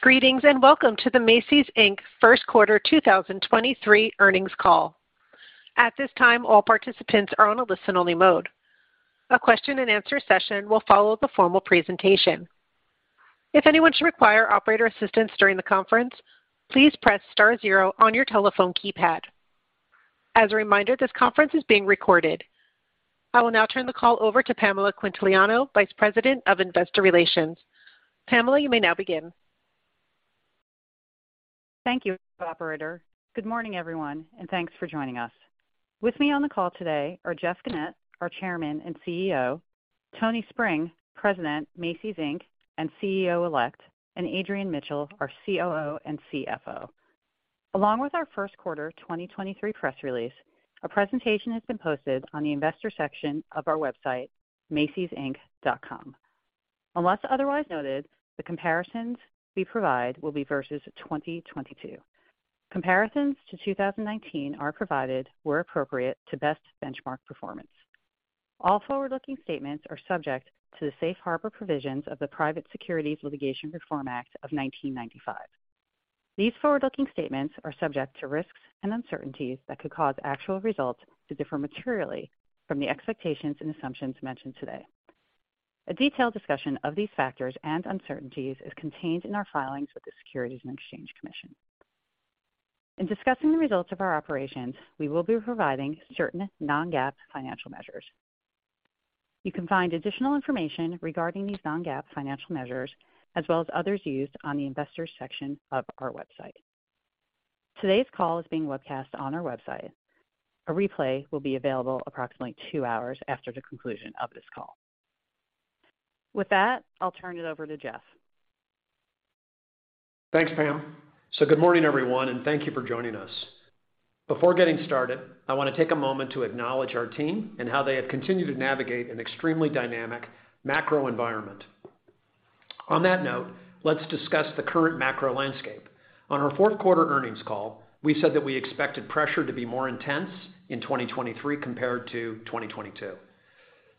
Greetings. Welcome to the Macy's Inc. First Quarter 2023 Earnings Call. At this time, all participants are on a listen-only mode. A question and answer session will follow the formal presentation. If anyone should require operator assistance during the conference, please press star zero on your telephone keypad. As a reminder, this conference is being recorded. I will now turn the call over to Pamela Quintiliano, Vice President of Investor Relations. Pamela, you may now begin. Thank you, operator. Good morning, everyone, and thanks for joining us. With me on the call today are Jeff Gennette, our Chairman and CEO, Tony Spring, President, Macy's Inc., and CEO Elect, and Adrian Mitchell, our COO and CFO. Along with our first quarter 2023 press release, a presentation has been posted on the investor section of our website, macysinc.com. Unless otherwise noted, the comparisons we provide will be versus 2022. Comparisons to 2019 are provided, where appropriate, to best benchmark performance. All forward-looking statements are subject to the Safe Harbor Provisions of the Private Securities Litigation Reform Act of 1995. These forward-looking statements are subject to risks and uncertainties that could cause actual results to differ materially from the expectations and assumptions mentioned today. A detailed discussion of these factors and uncertainties is contained in our filings with the Securities and Exchange Commission. In discussing the results of our operations, we will be providing certain non-GAAP financial measures. You can find additional information regarding these non-GAAP financial measures, as well as others used on the investors section of our website. Today's call is being webcast on our website. A replay will be available approximately two hours after the conclusion of this call. With that, I'll turn it over to Jeff. Thanks, Pam. Good morning, everyone, and thank you for joining us. Before getting started, I want to take a moment to acknowledge our team and how they have continued to navigate an extremely dynamic macro environment. On that note, let's discuss the current macro landscape. On our fourth quarter earnings call, we said that we expected pressure to be more intense in 2023 compared to 2022.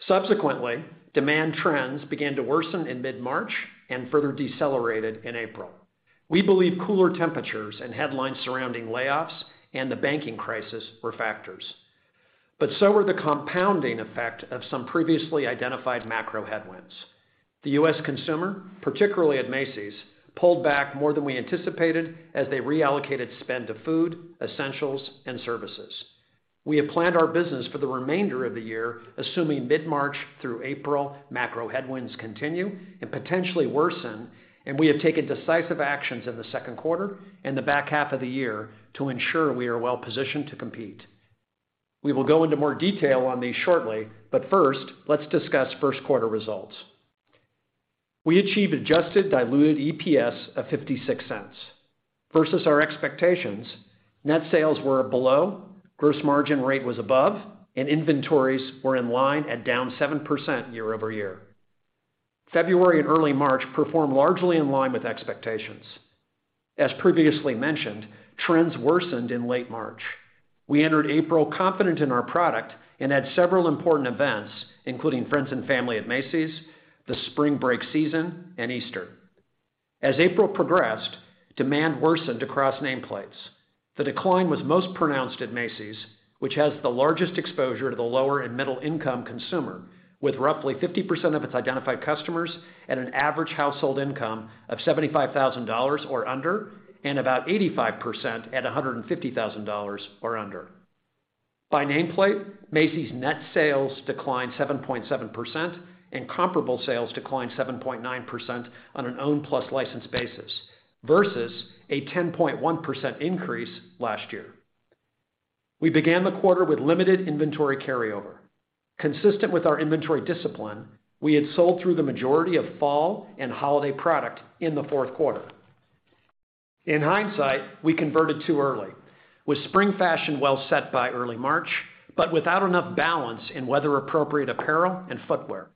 Subsequently, demand trends began to worsen in mid-March and further decelerated in April. We believe cooler temperatures and headlines surrounding layoffs and the banking crisis were factors, but so were the compounding effect of some previously identified macro headwinds. The U.S. consumer, particularly at Macy's, pulled back more than we anticipated as they reallocated spend to food, essentials and services. We have planned our business for the remainder of the year, assuming mid-March through April, macro headwinds continue and potentially worsen. We have taken decisive actions in the second quarter and the back half of the year to ensure we are well positioned to compete. We will go into more detail on these shortly. First, let's discuss first quarter results. We achieved adjusted diluted EPS of $0.56. Versus our expectations, net sales were below, gross margin rate was above, and inventories were in line at down 7% year-over-year. February and early March performed largely in line with expectations. As previously mentioned, trends worsened in late March. We entered April confident in our product and had several important events, including Friends and Family at Macy's, the spring break season, and Easter. As April progressed, demand worsened across nameplates. The decline was most pronounced at Macy's, which has the largest exposure to the lower and middle income consumer, with roughly 50% of its identified customers at an average household income of $75,000 or under and about 85% at $150,000 or under. By nameplate, Macy's net sales declined 7.7%, and comparable sales declined 7.9% on an owned plus licensed basis, versus a 10.1% increase last year. We began the quarter with limited inventory carryover. Consistent with our inventory discipline, we had sold through the majority of fall and holiday product in the fourth quarter. In hindsight, we converted too early, with spring fashion well set by early March, but without enough balance in weather-appropriate apparel and footwear.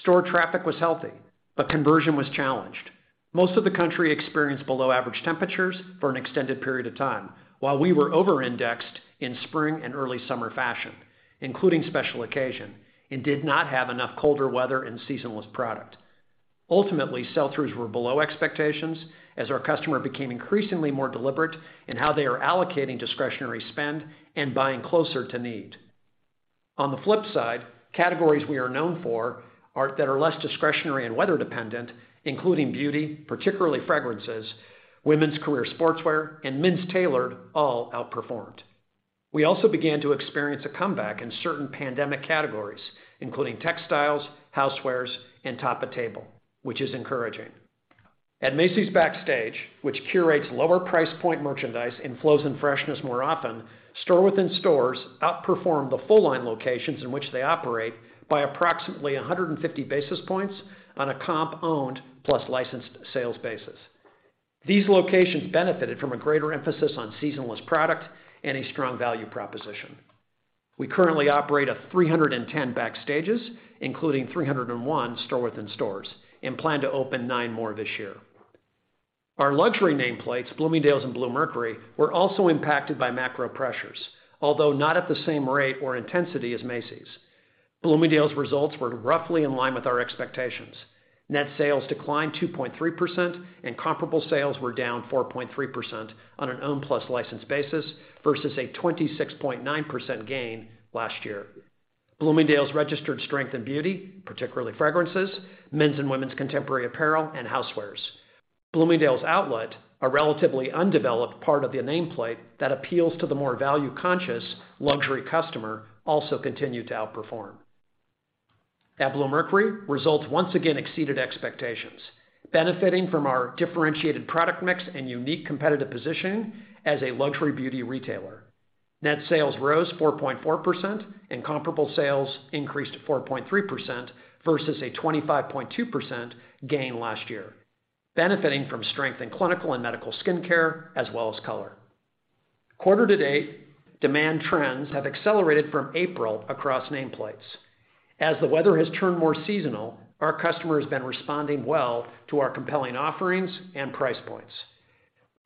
Store traffic was healthy, but conversion was challenged. Most of the country experienced below average temperatures for an extended period of time, while we were over-indexed in spring and early summer fashion, including special occasion, and did not have enough colder weather and seasonless product. Ultimately, sell-throughs were below expectations as our customer became increasingly more deliberate in how they are allocating discretionary spend and buying closer to need. On the flip side, categories we are known for that are less discretionary and weather dependent, including beauty, particularly fragrances, women's career sportswear, and men's tailored, all outperformed. We also began to experience a comeback in certain pandemic categories, including textiles, housewares, and top-of-table, which is encouraging. At Macy's Backstage, which curates lower price point merchandise in flows and freshness more often, store within stores outperformed the full line locations in which they operate by approximately 150 basis points on a comp owned plus licensed sales basis. These locations benefited from a greater emphasis on seasonless product and a strong value proposition. We currently operate 310 Backstages, including 301 store within stores, and plan to open nine more this year. Our luxury nameplates, Bloomingdale's and Bluemercury, were also impacted by macro pressures, although not at the same rate or intensity as Macy's. Bloomingdale's results were roughly in line with our expectations. Net sales declined 2.3%, and comparable sales were down 4.3% on an owned plus licensed basis, versus a 26.9% gain last year. Bloomingdale's registered strength and beauty, particularly fragrances, men's and women's contemporary apparel, and housewares. Bloomingdale's Outlet, a relatively undeveloped part of the nameplate that appeals to the more value-conscious luxury customer, also continued to outperform. At Bluemercury, results once again exceeded expectations, benefiting from our differentiated product mix and unique competitive positioning as a luxury beauty retailer. Net sales rose 4.4%, and comparable sales increased 4.3% versus a 25.2% gain last year, benefiting from strength in clinical and medical skin care, as well as color. Quarter to date, demand trends have accelerated from April across nameplates. As the weather has turned more seasonal, our customer has been responding well to our compelling offerings and price points.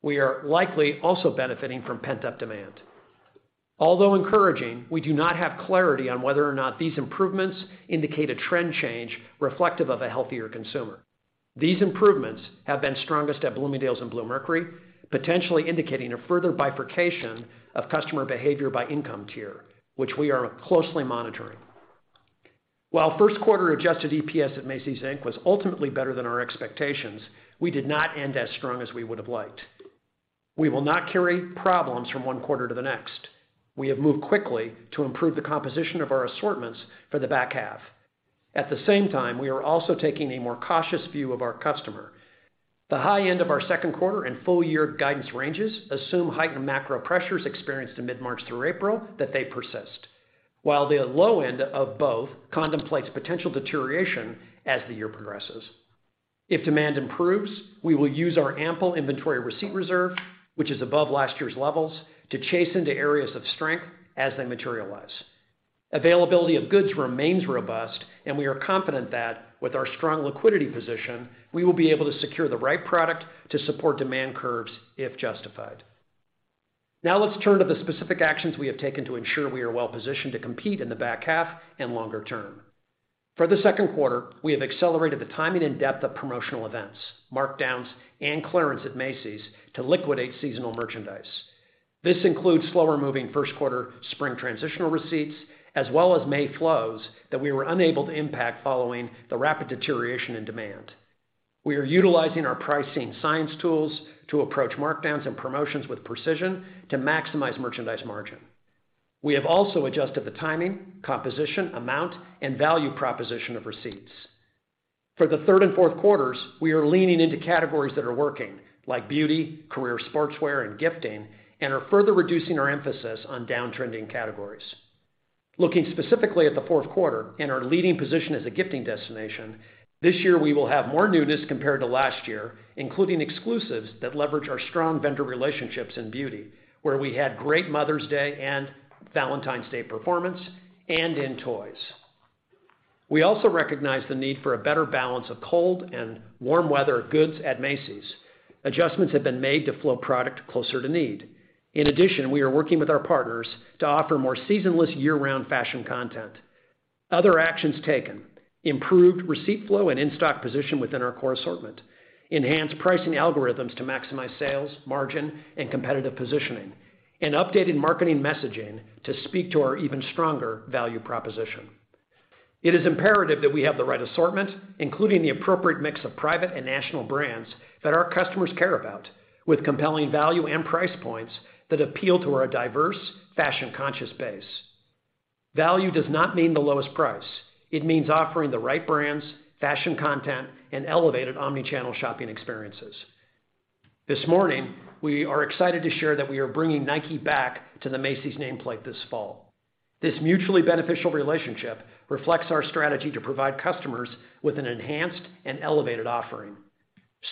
We are likely also benefiting from pent-up demand. Although encouraging, we do not have clarity on whether or not these improvements indicate a trend change reflective of a healthier consumer. These improvements have been strongest at Bloomingdale's and Bluemercury, potentially indicating a further bifurcation of customer behavior by income tier, which we are closely monitoring. While first quarter adjusted EPS at Macy's Inc. was ultimately better than our expectations, we did not end as strong as we would have liked. We will not carry problems from one quarter to the next. We have moved quickly to improve the composition of our assortments for the back half. At the same time, we are also taking a more cautious view of our customer. The high end of our second quarter and full year guidance ranges assume heightened macro pressures experienced in mid-March through April, that they persist, while the low end of both contemplates potential deterioration as the year progresses. If demand improves, we will use our ample inventory receipt reserve, which is above last year's levels, to chase into areas of strength as they materialize. Availability of goods remains robust. We are confident that with our strong liquidity position, we will be able to secure the right product to support demand curves, if justified. Now let's turn to the specific actions we have taken to ensure we are well positioned to compete in the back half and longer term. For the second quarter, we have accelerated the timing and depth of promotional events, markdowns, and clearance at Macy's to liquidate seasonal merchandise. This includes slower moving first quarter spring transitional receipts, as well as May flows that we were unable to impact following the rapid deterioration in demand. We are utilizing our pricing science tools to approach markdowns and promotions with precision to maximize merchandise margin. We have also adjusted the timing, composition, amount, and value proposition of receipts. For the third and fourth quarters, we are leaning into categories that are working, like beauty, career sportswear, and gifting, and are further reducing our emphasis on downtrending categories. Looking specifically at the fourth quarter and our leading position as a gifting destination, this year, we will have more newness compared to last year, including exclusives that leverage our strong vendor relationships in beauty, where we had great Mother's Day and Valentine's Day performance and in toys. We also recognize the need for a better balance of cold and warm weather goods at Macy's. Adjustments have been made to flow product closer to need. We are working with our partners to offer more seasonless year-round fashion content. Other actions taken: improved receipt flow and in-stock position within our core assortment, enhanced pricing algorithms to maximize sales, margin, and competitive positioning, and updated marketing messaging to speak to our even stronger value proposition. It is imperative that we have the right assortment, including the appropriate mix of private and national brands that our customers care about, with compelling value and price points that appeal to our diverse, fashion-conscious base. Value does not mean the lowest price. It means offering the right brands, fashion content, and elevated omnichannel shopping experiences. This morning, we are excited to share that we are bringing Nike back to the Macy's nameplate this fall. This mutually beneficial relationship reflects our strategy to provide customers with an enhanced and elevated offering.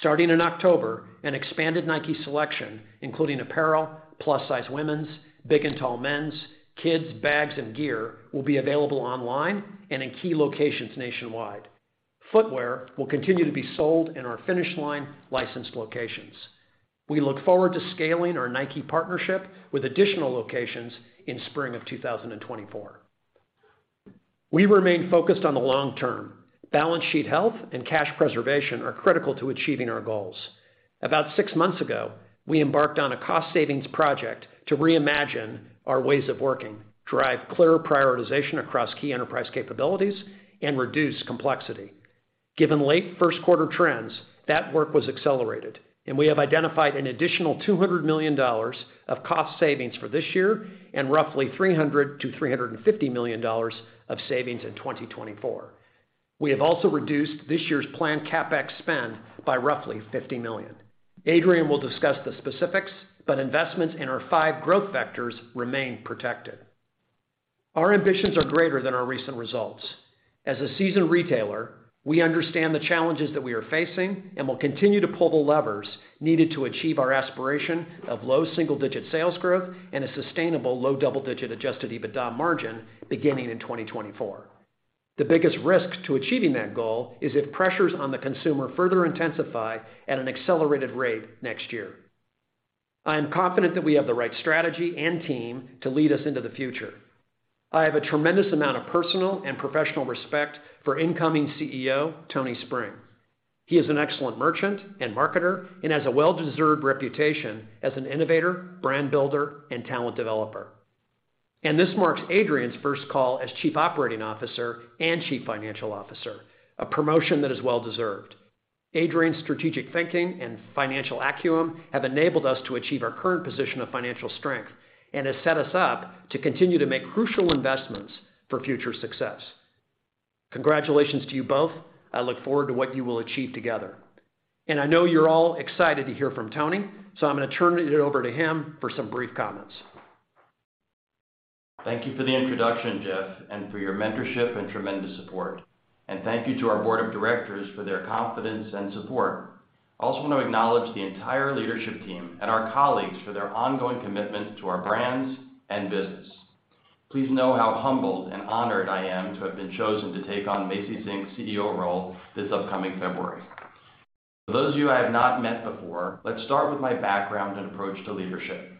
Starting in October, an expanded Nike selection, including apparel, plus size women's, big and tall men's, kids' bags and gear, will be available online and in key locations nationwide. Footwear will continue to be sold in our Finish Line licensed locations. We look forward to scaling our Nike partnership with additional locations in spring of 2024. We remain focused on the long term. Balance sheet health and cash preservation are critical to achieving our goals. About six months ago, we embarked on a cost savings project to reimagine our ways of working, drive clear prioritization across key enterprise capabilities, and reduce complexity. Given late first quarter trends, that work was accelerated. We have identified an additional $200 million of cost savings for this year and roughly $300 million-$350 million of savings in 2024. We have also reduced this year's planned CapEx spend by roughly $50 million. Adrian will discuss the specifics. Investments in our five growth vectors remain protected. Our ambitions are greater than our recent results. As a seasoned retailer, we understand the challenges that we are facing and will continue to pull the levers needed to achieve our aspiration of low single-digit sales growth and a sustainable low double-digit adjusted EBITDA margin beginning in 2024. The biggest risk to achieving that goal is if pressures on the consumer further intensify at an accelerated rate next year. I am confident that we have the right strategy and team to lead us into the future. I have a tremendous amount of personal and professional respect for incoming CEO, Tony Spring. He is an excellent merchant and marketer, and has a well-deserved reputation as an innovator, brand builder, and talent developer. This marks Adrian's first call as Chief Operating Officer and Chief Financial Officer, a promotion that is well-deserved. Adrian's strategic thinking and financial acumen have enabled us to achieve our current position of financial strength, and has set us up to continue to make crucial investments for future success. Congratulations to you both. I look forward to what you will achieve together. I know you're all excited to hear from Tony, so I'm gonna turn it over to him for some brief comments. Thank you for the introduction, Jeff, and for your mentorship and tremendous support. Thank you to our board of directors for their confidence and support. I also want to acknowledge the entire leadership team and our colleagues for their ongoing commitment to our brands and business. Please know how humbled and honored I am to have been chosen to take on Macy's Inc. CEO role this upcoming February. For those of you I have not met before, let's start with my background and approach to leadership.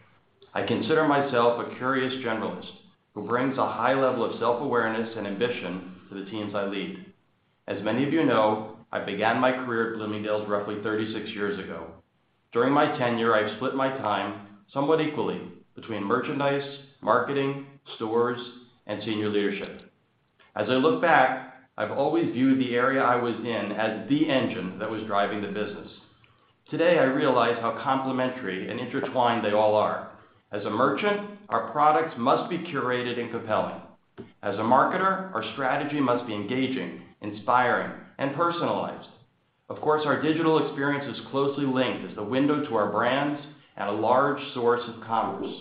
I consider myself a curious generalist, who brings a high level of self-awareness and ambition to the teams I lead. As many of you know, I began my career at Bloomingdale's roughly 36 years ago. During my tenure, I've split my time somewhat equally between merchandise, marketing, stores, and senior leadership. As I look back, I've always viewed the area I was in as the engine that was driving the business. Today, I realize how complementary and intertwined they all are. As a merchant, our products must be curated and compelling. As a marketer, our strategy must be engaging, inspiring, and personalized. Of course, our digital experience is closely linked as the window to our brands and a large source of commerce.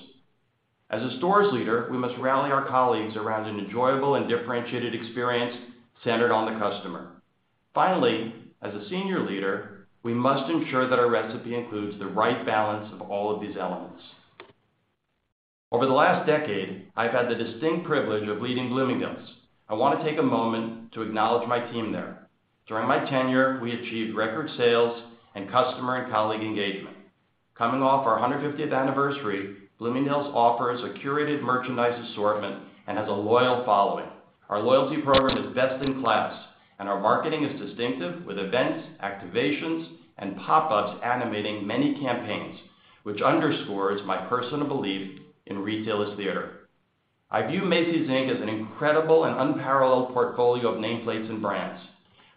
As a stores leader, we must rally our colleagues around an enjoyable and differentiated experience centered on the customer. As a senior leader, we must ensure that our recipe includes the right balance of all of these elements. Over the last decade, I've had the distinct privilege of leading Bloomingdale's. I want to take a moment to acknowledge my team there. During my tenure, we achieved record sales and customer and colleague engagement. Coming off our 150th anniversary, Bloomingdale's offers a curated merchandise assortment and has a loyal following. Our loyalty program is best-in-class, and our marketing is distinctive, with events, activations, and pop-ups animating many campaigns, which underscores my personal belief in retail as theater. I view Macy's Inc. as an incredible and unparalleled portfolio of nameplates and brands,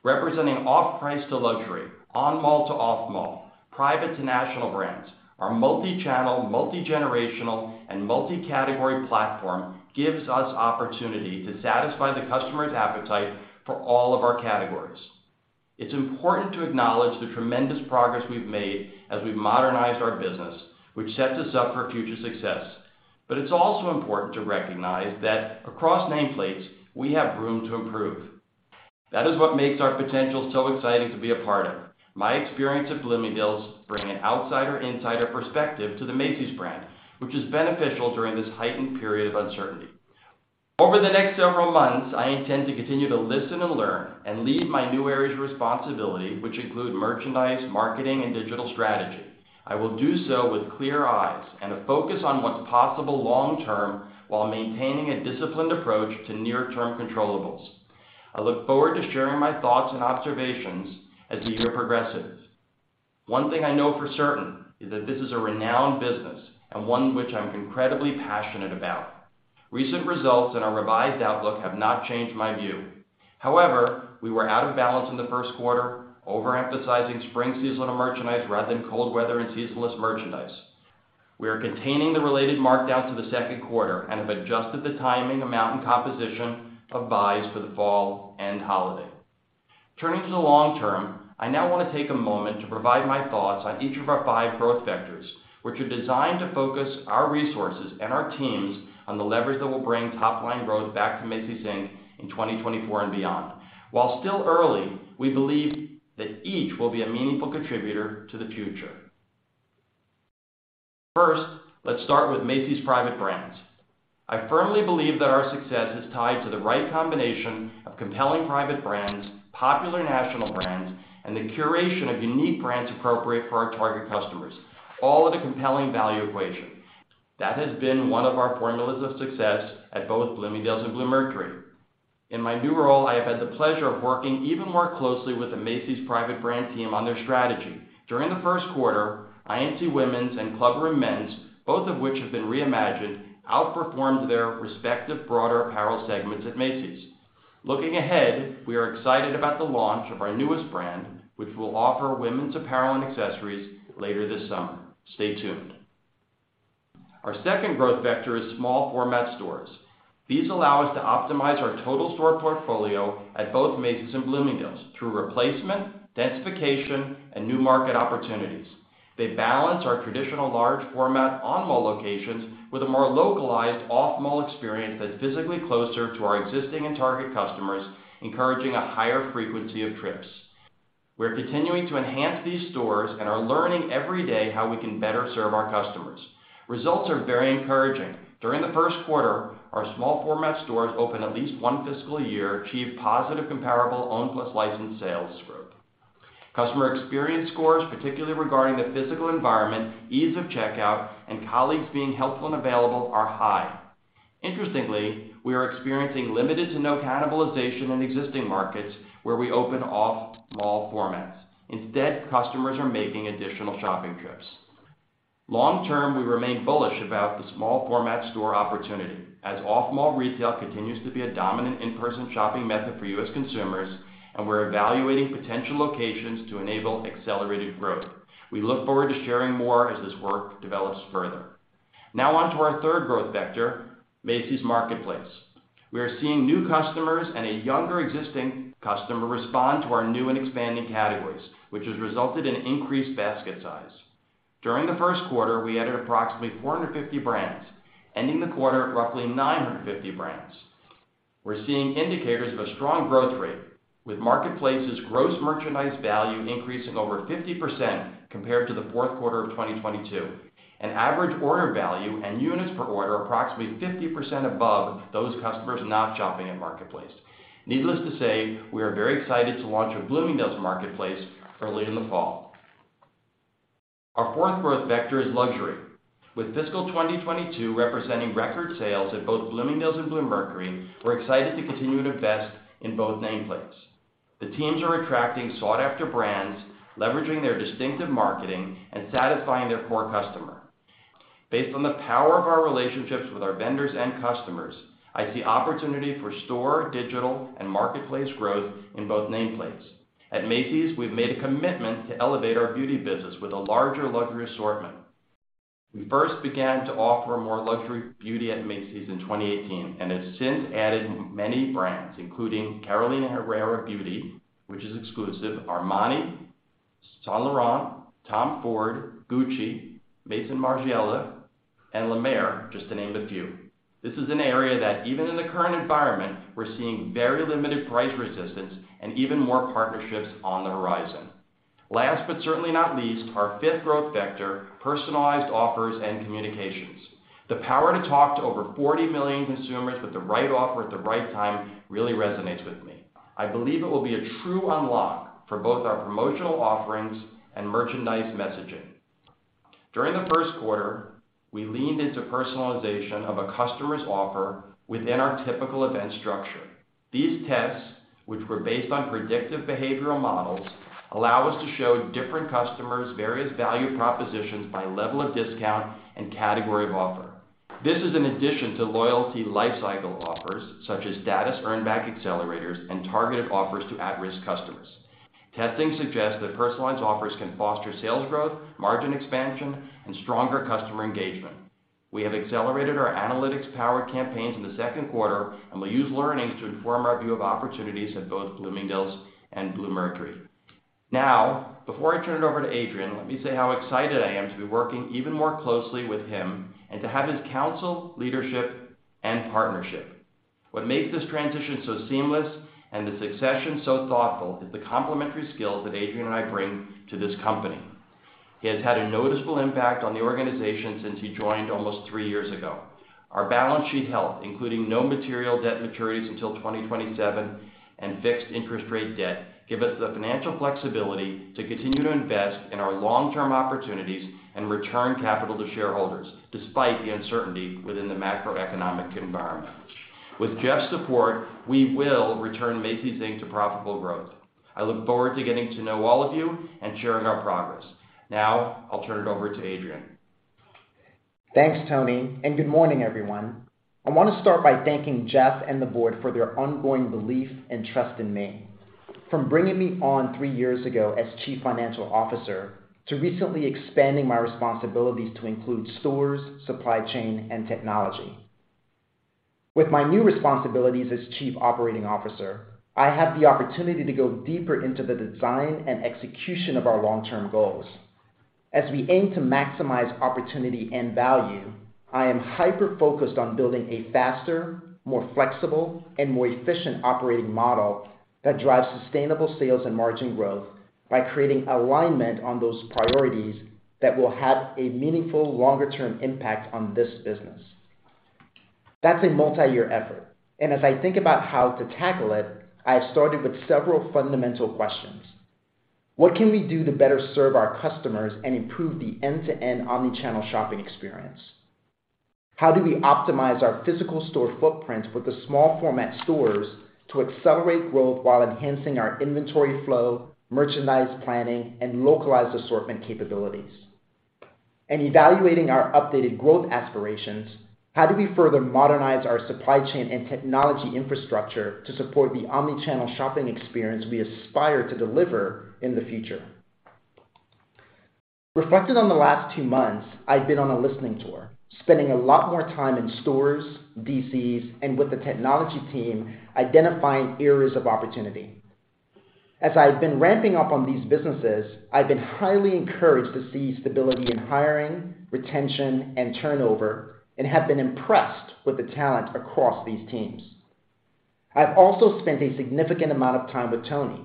representing off-price to luxury, on-mall to off-mall, private to national brands. Our multi-channel, multi-generational, and multi-category platform gives us opportunity to satisfy the customer's appetite for all of our categories. It's important to acknowledge the tremendous progress we've made as we've modernized our business, which sets us up for future success. It's also important to recognize that across nameplates, we have room to improve. That is what makes our potential so exciting to be a part of my experience at Bloomingdale's bring an outsider-insider perspective to the Macy's brand, which is beneficial during this heightened period of uncertainty. Over the next several months, I intend to continue to listen and learn, and lead my new areas of responsibility, which include merchandise, marketing, and digital strategy. I will do so with clear eyes and a focus on what's possible long term, while maintaining a disciplined approach to near-term controllables. I look forward to sharing my thoughts and observations as the year progresses. One thing I know for certain is that this is a renowned business, and one which I'm incredibly passionate about. Recent results and our revised outlook have not changed my view. However, we were out of balance in the first quarter, overemphasizing spring seasonal merchandise rather than cold weather and seasonless merchandise. We are containing the related markdowns to the second quarter, and have adjusted the timing, amount, and composition of buys for the fall and holiday. Turning to the long term, I now want to take a moment to provide my thoughts on each of our five growth vectors, which are designed to focus our resources and our teams on the leverage that will bring top-line growth back to Macy's Inc. in 2024 and beyond. While still early, we believe that each will be a meaningful contributor to the future. First, let's start with Macy's private brands. I firmly believe that our success is tied to the right combination of compelling private brands, popular national brands, and the curation of unique brands appropriate for our target customers, all at a compelling value equation. That has been one of our formulas of success at both Bloomingdale's and Bluemercury. In my new role, I have had the pleasure of working even more closely with the Macy's private brand team on their strategy. During the first quarter, I.N.C. Women's and Club Room Men's, both of which have been reimagined, outperformed their respective broader apparel segments at Macy's. Looking ahead, we are excited about the launch of our newest brand, which will offer women's apparel and accessories later this summer. Stay tuned. Our second growth vector is small-format stores. These allow us to optimize our total store portfolio at both Macy's and Bloomingdale's through replacement, densification, and new market opportunities. They balance our traditional large format on-mall locations with a more localized off-mall experience that's physically closer to our existing and target customers, encouraging a higher frequency of trips. We're continuing to enhance these stores and are learning every day how we can better serve our customers. Results are very encouraging. During the first quarter, our small-format stores opened at least one fiscal year achieved positive comparable owned plus licensed sales growth. Customer experience scores, particularly regarding the physical environment, ease of checkout, and colleagues being helpful and available, are high. Interestingly, we are experiencing limited to no cannibalization in existing markets where we open off-mall formats. Instead, customers are making additional shopping trips. Long-term, we remain bullish about the small-format store opportunity, as off-mall retail continues to be a dominant in-person shopping method for U.S. consumers, and we're evaluating potential locations to enable accelerated growth. We look forward to sharing more as this work develops further. Now on to our third growth vector, Macy's Marketplace. We are seeing new customers and a younger existing customer respond to our new and expanding categories, which has resulted in increased basket size. During the first quarter, we added approximately 450 brands, ending the quarter at roughly 950 brands. We're seeing indicators of a strong growth rate, with Marketplace's gross merchandise value increasing over 50% compared to the fourth quarter of 2022, and average order value and units per order approximately 50% above those customers not shopping at Marketplace. Needless to say, we are very excited to launch a Bloomingdale's Marketplace early in the fall. Our fourth growth vector is luxury. With fiscal 2022 representing record sales at both Bloomingdale's and Bluemercury, we're excited to continue to invest in both nameplates. The teams are attracting sought-after brands, leveraging their distinctive marketing, and satisfying their core customer. Based on the power of our relationships with our vendors and customers, I see opportunity for store, digital, and marketplace growth in both nameplates. At Macy's, we've made a commitment to elevate our beauty business with a larger luxury assortment. We first began to offer more luxury beauty at Macy's in 2018, and have since added many brands, including Carolina Herrera Beauty, which is exclusive, Armani, Saint Laurent, Tom Ford, Gucci, Maison Margiela, and La Mer, just to name a few. This is an area that, even in the current environment, we're seeing very limited price resistance and even more partnerships on the horizon. Last, but certainly not least, our fifth growth vector, personalized offers and communications. The power to talk to over 40 million consumers with the right offer at the right time really resonates with me. I believe it will be a true unlock for both our promotional offerings and merchandise messaging. During the first quarter, we leaned into personalization of a customer's offer within our typical event structure. These tests, which were based on predictive behavioral models, allow us to show different customers various value propositions by level of discount and category of offer. This is in addition to loyalty lifecycle offers, such as status earn-back accelerators and targeted offers to at-risk customers. Testing suggests that personalized offers can foster sales growth, margin expansion, and stronger customer engagement. We have accelerated our analytics-powered campaigns in the second quarter, and we'll use learnings to inform our view of opportunities at both Bloomingdale's and Bluemercury. Before I turn it over to Adrian, let me say how excited I am to be working even more closely with him and to have his counsel, leadership, and partnership. What makes this transition so seamless and the succession so thoughtful, is the complementary skills that Adrian and I bring to this company. He has had a noticeable impact on the organization since he joined almost three years ago. Our balance sheet health, including no material debt maturities until 2027, and fixed interest rate debt, give us the financial flexibility to continue to invest in our long-term opportunities and return capital to shareholders, despite the uncertainty within the macroeconomic environment. With Jeff's support, we will return Macy's Inc. to profitable growth. I look forward to getting to know all of you and sharing our progress. I'll turn it over to Adrian. Thanks, Tony, and good morning, everyone. I want to start by thanking Jeff and the board for their ongoing belief and trust in me, from bringing me on three years ago as Chief Financial Officer, to recently expanding my responsibilities to include stores, supply chain, and technology. With my new responsibilities as Chief Operating Officer, I have the opportunity to go deeper into the design and execution of our long-term goals. As we aim to maximize opportunity and value, I am hyper-focused on building a faster, more flexible, and more efficient operating model that drives sustainable sales and margin growth by creating alignment on those priorities that will have a meaningful longer-term impact on this business. That's a multi-year effort, and as I think about how to tackle it, I have started with several fundamental questions. What can we do to better serve our customers and improve the end-to-end omnichannel shopping experience? How do we optimize our physical store footprint with the small format stores to accelerate growth while enhancing our inventory flow, merchandise planning, and localized assortment capabilities? In evaluating our updated growth aspirations, how do we further modernize our supply chain and technology infrastructure to support the omnichannel shopping experience we aspire to deliver in the future? Reflecting on the last two months, I've been on a listening tour, spending a lot more time in stores, DCs, and with the technology team, identifying areas of opportunity. As I've been ramping up on these businesses, I've been highly encouraged to see stability in hiring, retention, and turnover, and have been impressed with the talent across these teams. I've also spent a significant amount of time with Tony.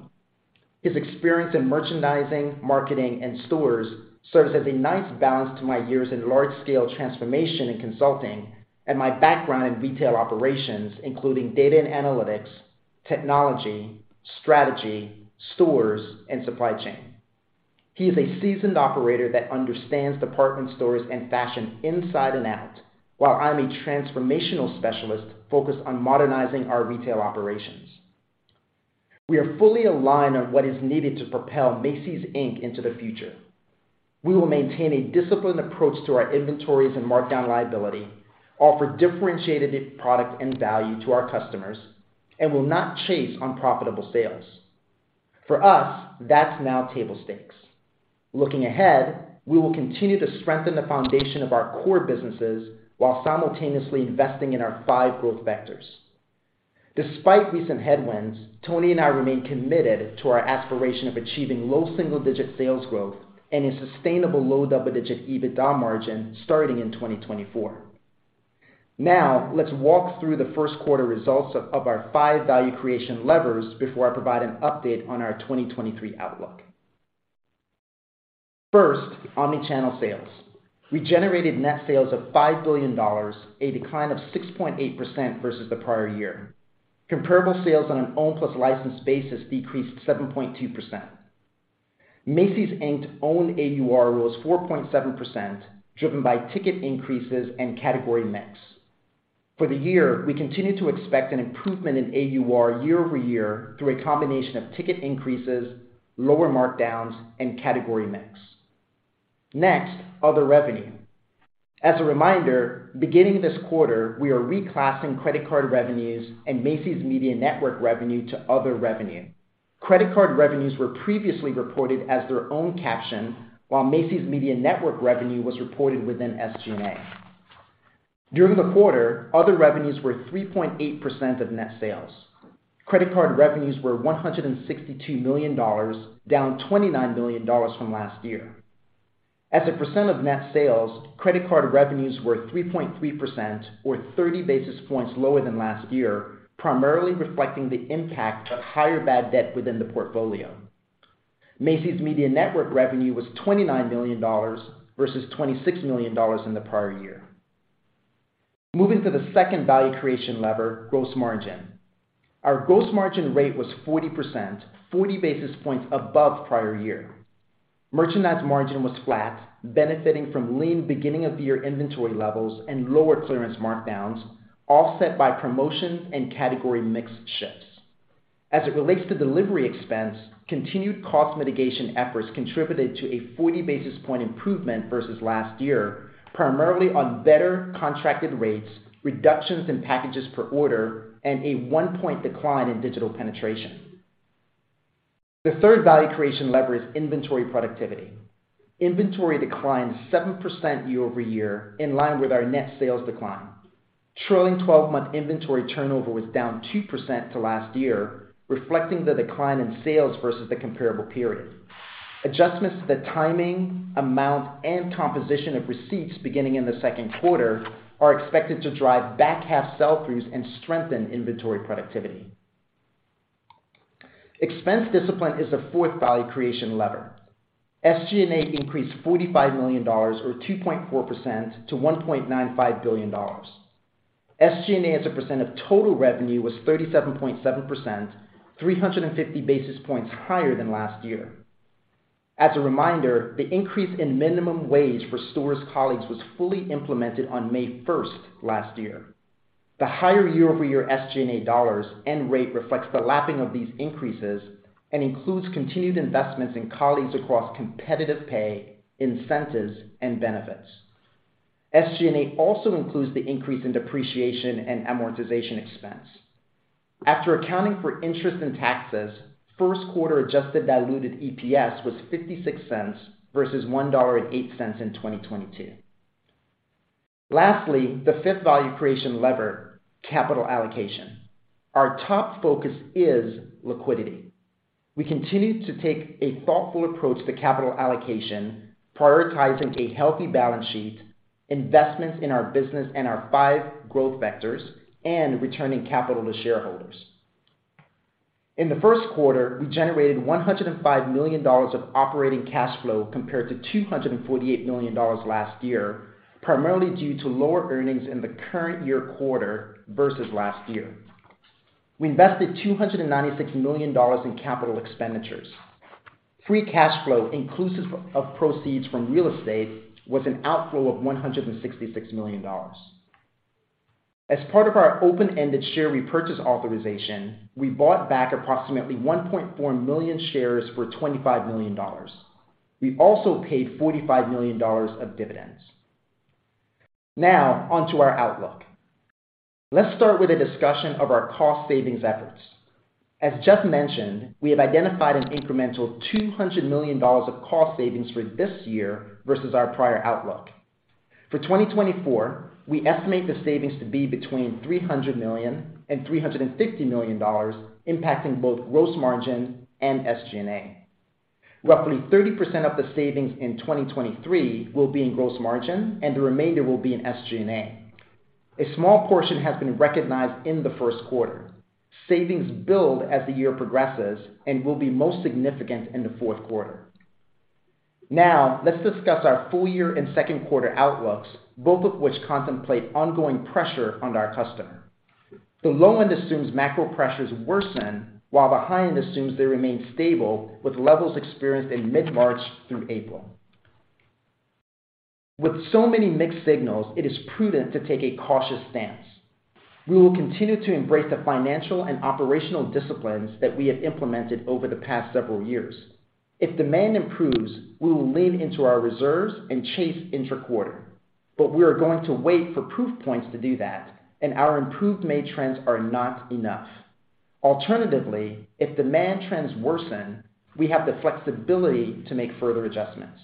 His experience in merchandising, marketing, and stores serves as a nice balance to my years in large-scale transformation and consulting. My background in retail operations, including data and analytics, technology, strategy, stores, and supply chain. He is a seasoned operator that understands department stores and fashion inside and out, while I'm a transformational specialist focused on modernizing our retail operations. We are fully aligned on what is needed to propel Macy's Inc. into the future. We will maintain a disciplined approach to our inventories and markdown liability, offer differentiated product and value to our customers. Will not chase unprofitable sales. For us, that's now table stakes. Looking ahead, we will continue to strengthen the foundation of our core businesses while simultaneously investing in our five growth vectors. Despite recent headwinds, Tony and I remain committed to our aspiration of achieving low single-digit sales growth and a sustainable low double-digit EBITDA margin starting in 2024. Let's walk through the first quarter results of our five value creation levers before I provide an update on our 2023 outlook. First, omni-channel sales. We generated net sales of $5 billion, a decline of 6.8% versus the prior year. Comparable sales on an owned plus licensed basis decreased 7.2%. Macy's Inc.'s owned AUR was 4.7%, driven by ticket increases and category mix. For the year, we continue to expect an improvement in AUR year-over-year through a combination of ticket increases, lower markdowns, and category mix. Next, other revenue. As a reminder, beginning this quarter, we are reclassing credit card revenues and Macy's Media Network revenue to other revenue. Credit card revenues were previously reported as their own caption, while Macy's Media Network revenue was reported within SG&A. During the quarter, other revenues were 3.8% of net sales. Credit card revenues were $162 million, down $29 million from last year. As a percent of net sales, credit card revenues were 3.3% or 30 basis points lower than last year, primarily reflecting the impact of higher bad debt within the portfolio. Macy's Media Network revenue was $29 million, versus $26 million in the prior year. Moving to the second value creation lever, gross margin. Our gross margin rate was 40%, 40 basis points above prior year. Merchandise margin was flat, benefiting from lean beginning-of-the-year inventory levels and lower clearance markdowns, offset by promotions and category mix shifts. As it relates to delivery expense, continued cost mitigation efforts contributed to a 40 basis point improvement versus last year, primarily on better contracted rates, reductions in packages per order, and a 1-point decline in digital penetration. The third value creation lever is inventory productivity. Inventory declined 7% year-over-year, in line with our net sales decline. Trailing twelve-month inventory turnover was down 2% to last year, reflecting the decline in sales versus the comparable period. Adjustments to the timing, amount, and composition of receipts beginning in the second quarter are expected to drive back-half sell-throughs and strengthen inventory productivity. Expense discipline is the fourth value creation lever. SG&A increased $45 million, or 2.4% to $1.95 billion. SG&A, as a percent of total revenue, was 37.7%, 350 basis points higher than last year. As a reminder, the increase in minimum wage for stores' colleagues was fully implemented on May 1st last year. The higher year-over-year SG&A dollars and rate reflects the lapping of these increases and includes continued investments in colleagues across competitive pay, incentives, and benefits. SG&A also includes the increase in depreciation and amortization expense. After accounting for interest and taxes, first quarter adjusted diluted EPS was $0.56 versus $1.08 in 2022. Lastly, the fifth value creation lever, capital allocation. Our top focus is liquidity. We continue to take a thoughtful approach to capital allocation, prioritizing a healthy balance sheet, investments in our business and our five growth vectors, and returning capital to shareholders. In the first quarter, we generated $105 million of operating cash flow, compared to $248 million last year, primarily due to lower earnings in the current year quarter versus last year. We invested $296 million in capital expenditures. Free cash flow, inclusive of proceeds from real estate, was an outflow of $166 million. As part of our open-ended share repurchase authorization, we bought back approximately 1.4 million shares for $25 million. We also paid $45 million of dividends. On to our outlook. Let's start with a discussion of our cost savings efforts. As just mentioned, we have identified an incremental $200 million of cost savings for this year versus our prior outlook. For 2024, we estimate the savings to be between $300 million and $350 million, impacting both gross margin and SG&A. Roughly 30% of the savings in 2023 will be in gross margin, and the remainder will be in SG&A. A small portion has been recognized in the first quarter. Savings build as the year progresses and will be most significant in the fourth quarter. Let's discuss our full year and second quarter outlooks, both of which contemplate ongoing pressure on our customer. The low end assumes macro pressures worsen, while the high end assumes they remain stable with levels experienced in mid-March through April. With so many mixed signals, it is prudent to take a cautious stance. We will continue to embrace the financial and operational disciplines that we have implemented over the past several years. If demand improves, we will lean into our reserves and chase intra-quarter, but we are going to wait for proof points to do that, and our improved May trends are not enough. Alternatively, if demand trends worsen, we have the flexibility to make further adjustments.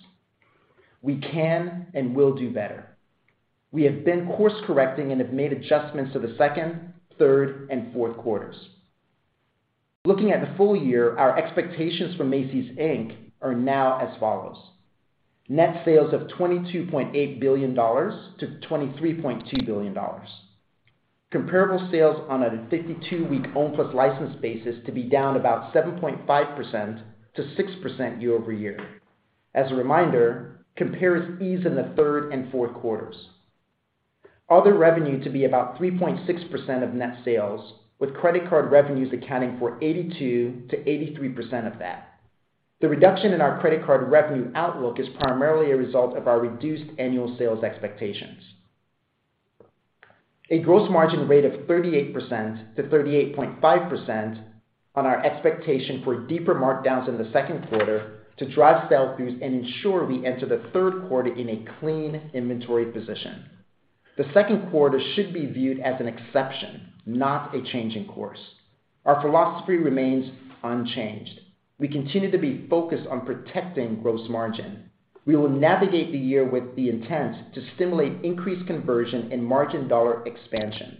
We can and will do better. We have been course-correcting and have made adjustments to the second, third, and fourth quarters. Looking at the full year, our expectations for Macy's Inc. are now as follows: Net sales of $22.8 billion-$23.2 billion. Comparable sales on a 52-week owned plus licensed basis to be down about 7.5%-6% year-over-year. As a reminder, compares ease in the third and fourth quarters. Other revenue to be about 3.6% of net sales, with credit card revenues accounting for 82%-83% of that. The reduction in our credit card revenue outlook is primarily a result of our reduced annual sales expectations. A gross margin rate of 38%-38.5% on our expectation for deeper markdowns in the second quarter to drive sell-throughs and ensure we enter the third quarter in a clean inventory position. The second quarter should be viewed as an exception, not a change in course. Our philosophy remains unchanged. We continue to be focused on protecting gross margin. We will navigate the year with the intent to stimulate increased conversion and margin dollar expansion.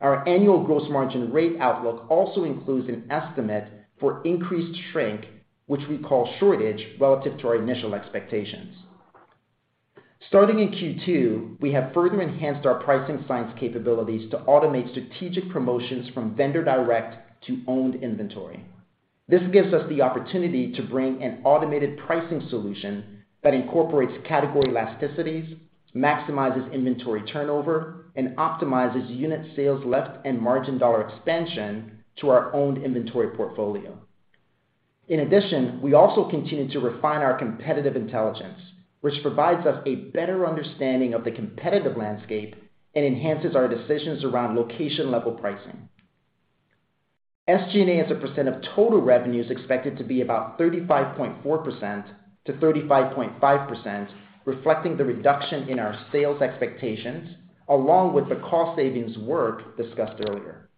Our annual gross margin rate outlook also includes an estimate for increased shrink, which we call shortage, relative to our initial expectations. Starting in Q2, we have further enhanced our pricing science capabilities to automate strategic promotions from vendor direct to owned inventory. This gives us the opportunity to bring an automated pricing solution that incorporates category elasticities, maximizes inventory turnover, and optimizes unit sales lift and margin dollar expansion to our own inventory portfolio. In addition, we also continue to refine our competitive intelligence, which provides us a better understanding of the competitive landscape and enhances our decisions around location-level pricing. SG&A as a percent of total revenue is expected to be about 35.4%-35.5%, reflecting the reduction in our sales expectations, along with the cost savings work discussed earlier.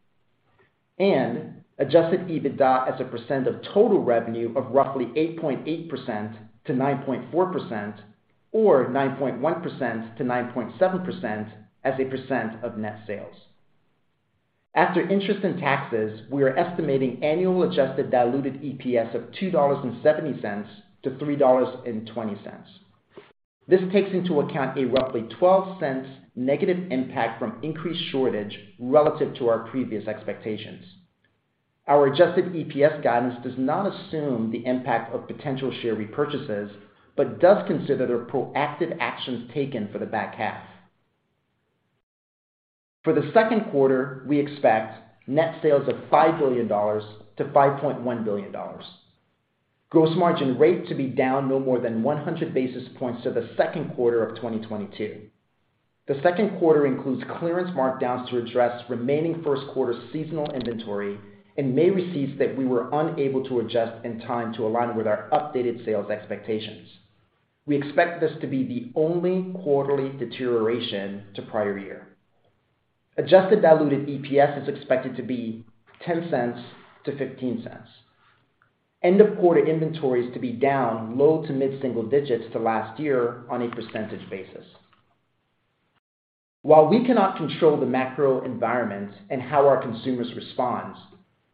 Adjusted EBITDA as a percent of total revenue of roughly 8.8%-9.4%, or 9.1%-9.7% as a percent of net sales. After interest and taxes, we are estimating annual adjusted diluted EPS of $2.70-$3.20. This takes into account a roughly $0.12 negative impact from increased shortage relative to our previous expectations. Our adjusted EPS guidance does not assume the impact of potential share repurchases, but does consider the proactive actions taken for the back half. For the second quarter, we expect net sales of $5 billion-$5.1 billion. Gross margin rate to be down no more than 100 basis points to the second quarter of 2022. The second quarter includes clearance markdowns to address remaining first quarter seasonal inventory and May receipts that we were unable to adjust in time to align with our updated sales expectations. We expect this to be the only quarterly deterioration to prior year. Adjusted diluted EPS is expected to be $0.10-$0.15. End-of-quarter inventories to be down low to mid-single digits to last year on a percentage basis. While we cannot control the macro environment and how our consumers respond,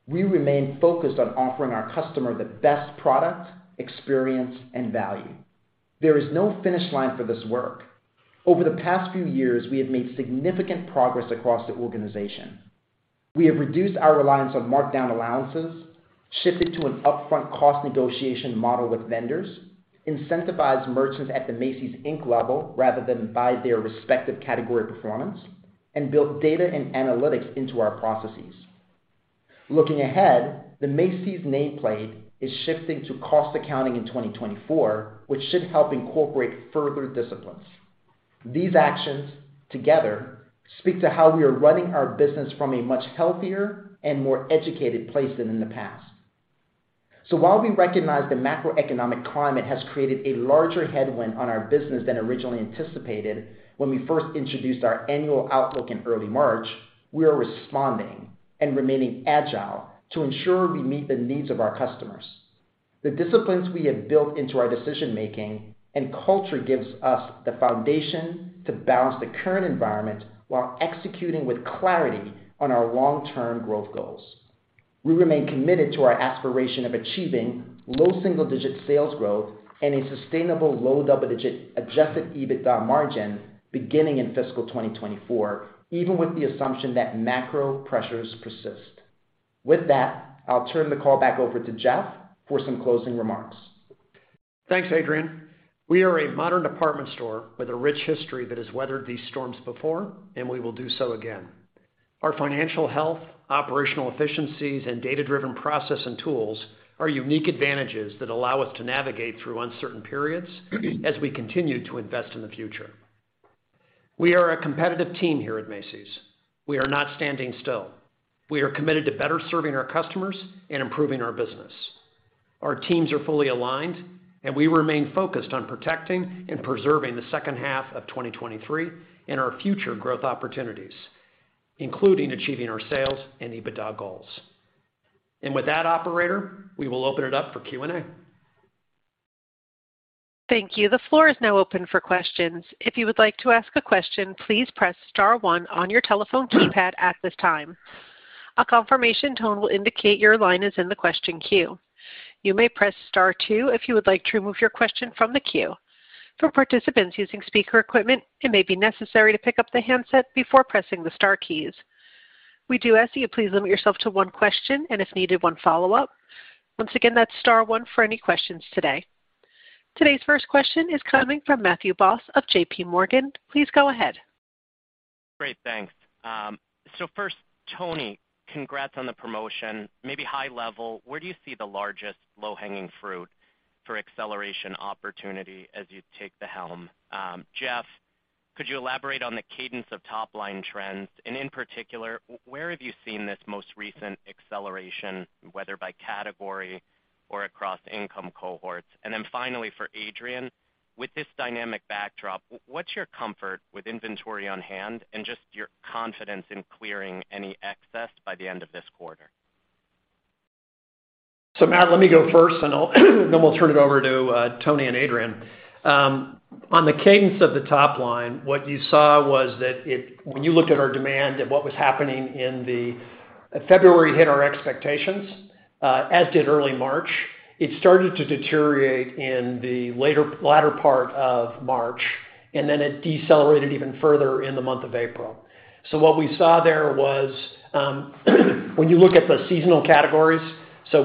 we remain focused on offering our customer the best product, experience, and value. There is no finish line for this work. Over the past few years, we have made significant progress across the organization. We have reduced our reliance on markdown allowances, shifted to an upfront cost negotiation model with vendors, incentivized merchants at the Macy's Inc. level rather than by their respective category performance, and built data and analytics into our processes. Looking ahead, the Macy's nameplate is shifting to cost accounting in 2024, which should help incorporate further disciplines. These actions together speak to how we are running our business from a much healthier and more educated place than in the past. While we recognize the macroeconomic climate has created a larger headwind on our business than originally anticipated when we first introduced our annual outlook in early March, we are responding and remaining agile to ensure we meet the needs of our customers. The disciplines we have built into our decision-making and culture gives us the foundation to balance the current environment while executing with clarity on our long-term growth goals. We remain committed to our aspiration of achieving low single-digit sales growth and a sustainable low double-digit adjusted EBITDA margin beginning in fiscal 2024, even with the assumption that macro pressures persist. I'll turn the call back over to Jeff for some closing remarks. Thanks, Adrian. We are a modern department store with a rich history that has weathered these storms before, and we will do so again. Our financial health, operational efficiencies, and data-driven process and tools are unique advantages that allow us to navigate through uncertain periods as we continue to invest in the future. We are a competitive team here at Macy's. We are not standing still. We are committed to better serving our customers and improving our business. Our teams are fully aligned, and we remain focused on protecting and preserving the second half of 2023 and our future growth opportunities, including achieving our sales and EBITDA goals. With that, operator, we will open it up for Q&A. Thank you. The floor is now open for questions. If you would like to ask a question, please press star one on your telephone keypad at this time. A confirmation tone will indicate your line is in the question queue. You may press star two if you would like to remove your question from the queue. For participants using speaker equipment, it may be necessary to pick up the handset before pressing the star keys. We do ask you to please limit yourself to one question and, if needed, one follow-up. Once again, that's star one for any questions today. Today's first question is coming from Matthew Boss of JPMorgan. Please go ahead. Great, thanks. First, Tony, congrats on the promotion. Maybe high level, where do you see the largest low-hanging fruit for acceleration opportunity as you take the helm? Jeff, could you elaborate on the cadence of top-line trends, and in particular, where have you seen this most recent acceleration, whether by category or across income cohorts? Finally, for Adrian, with this dynamic backdrop, what's your comfort with inventory on hand and just your confidence in clearing any excess by the end of this quarter? Matt, let me go first, and then we'll turn it over to Tony and Adrian. On the cadence of the top line, what you saw was that when you looked at our demand and what was happening in February hit our expectations, as did early March. It started to deteriorate in the latter part of March, it decelerated even further in the month of April. What we saw there was, when you look at the seasonal categories,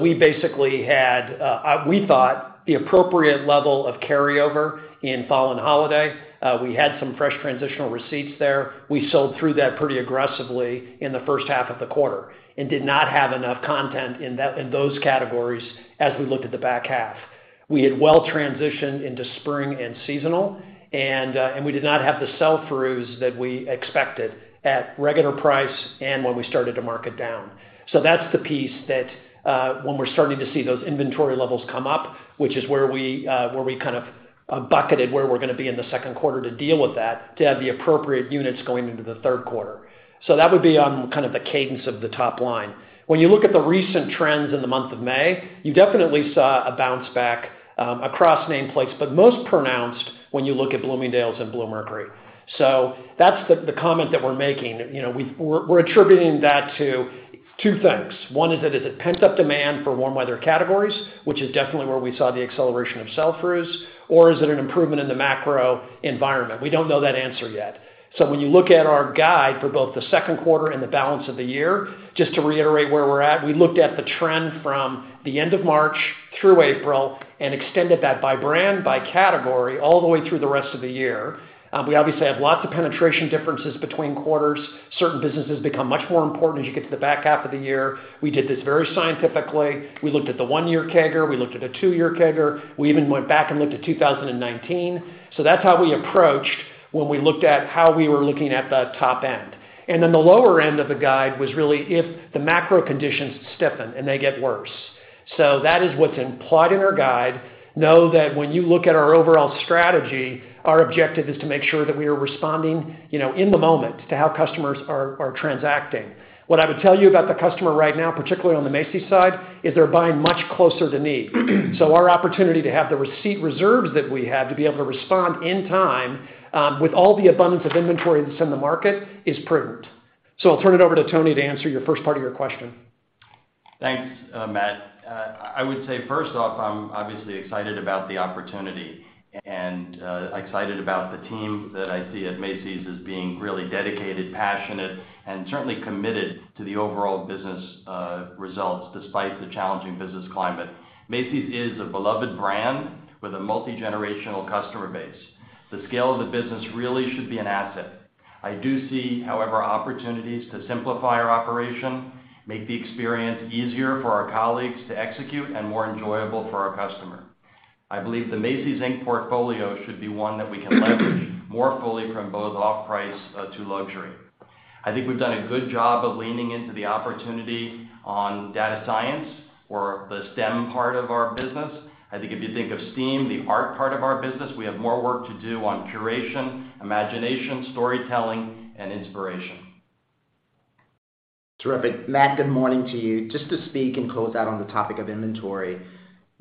we basically had, we thought, the appropriate level of carryover in fall and holiday. We had some fresh transitional receipts there. We sold through that pretty aggressively in the first half of the quarter and did not have enough content in those categories as we looked at the back half. We had well transitioned into spring and seasonal, and we did not have the sell-throughs that we expected at regular price and when we started to mark it down. That's the piece that when we're starting to see those inventory levels come up, which is where we kind of bucketed, where we're gonna be in the second quarter to deal with that, to have the appropriate units going into the third quarter. That would be on kind of the cadence of the top line. When you look at the recent trends in the month of May, you definitely saw a bounce back across nameplates, but most pronounced when you look at Bloomingdale's and Bluemercury. That's the comment that we're making. You know, we're attributing that to two things. One is that is it pent-up demand for warm weather categories, which is definitely where we saw the acceleration of sell-throughs, or is it an improvement in the macro environment? We don't know that answer yet. When you look at our guide for both the second quarter and the balance of the year, just to reiterate where we're at, we looked at the trend from the end of March through April and extended that by brand, by category, all the way through the rest of the year. We obviously have lots of penetration differences between quarters. Certain businesses become much more important as you get to the back half of the year. We did this very scientifically. We looked at the one-year CAGR, we looked at a two-year CAGR. We even went back and looked at 2019. That's how we approached when we looked at how we were looking at the top end. The lower end of the guide was really if the macro conditions stiffen and they get worse. That is what's implied in our guide. Know that when you look at our overall strategy, our objective is to make sure that we are responding, you know, in the moment to how customers are transacting. What I would tell you about the customer right now, particularly on the Macy's side, is they're buying much closer to need. Our opportunity to have the receipt reserves that we have to be able to respond in time, with all the abundance of inventory that's in the market, is prudent. I'll turn it over to Tony to answer your first part of your question. Thanks, Matt. I would say, first off, I'm obviously excited about the opportunity and excited about the team that I see at Macy's as being really dedicated, passionate, and certainly committed to the overall business results, despite the challenging business climate. Macy's is a beloved brand with a multigenerational customer base. The scale of the business really should be an asset. I do see, however, opportunities to simplify our operation, make the experience easier for our colleagues to execute and more enjoyable for our customer. I believe the Macy's Inc. portfolio should be one that we can leverage more fully from both off-price to luxury. I think we've done a good job of leaning into the opportunity on data science or the STEM part of our business. I think if you think of STEAM, the art part of our business, we have more work to do on curation, imagination, storytelling, and inspiration. Terrific. Matt, good morning to you. Just to speak and close out on the topic of inventory,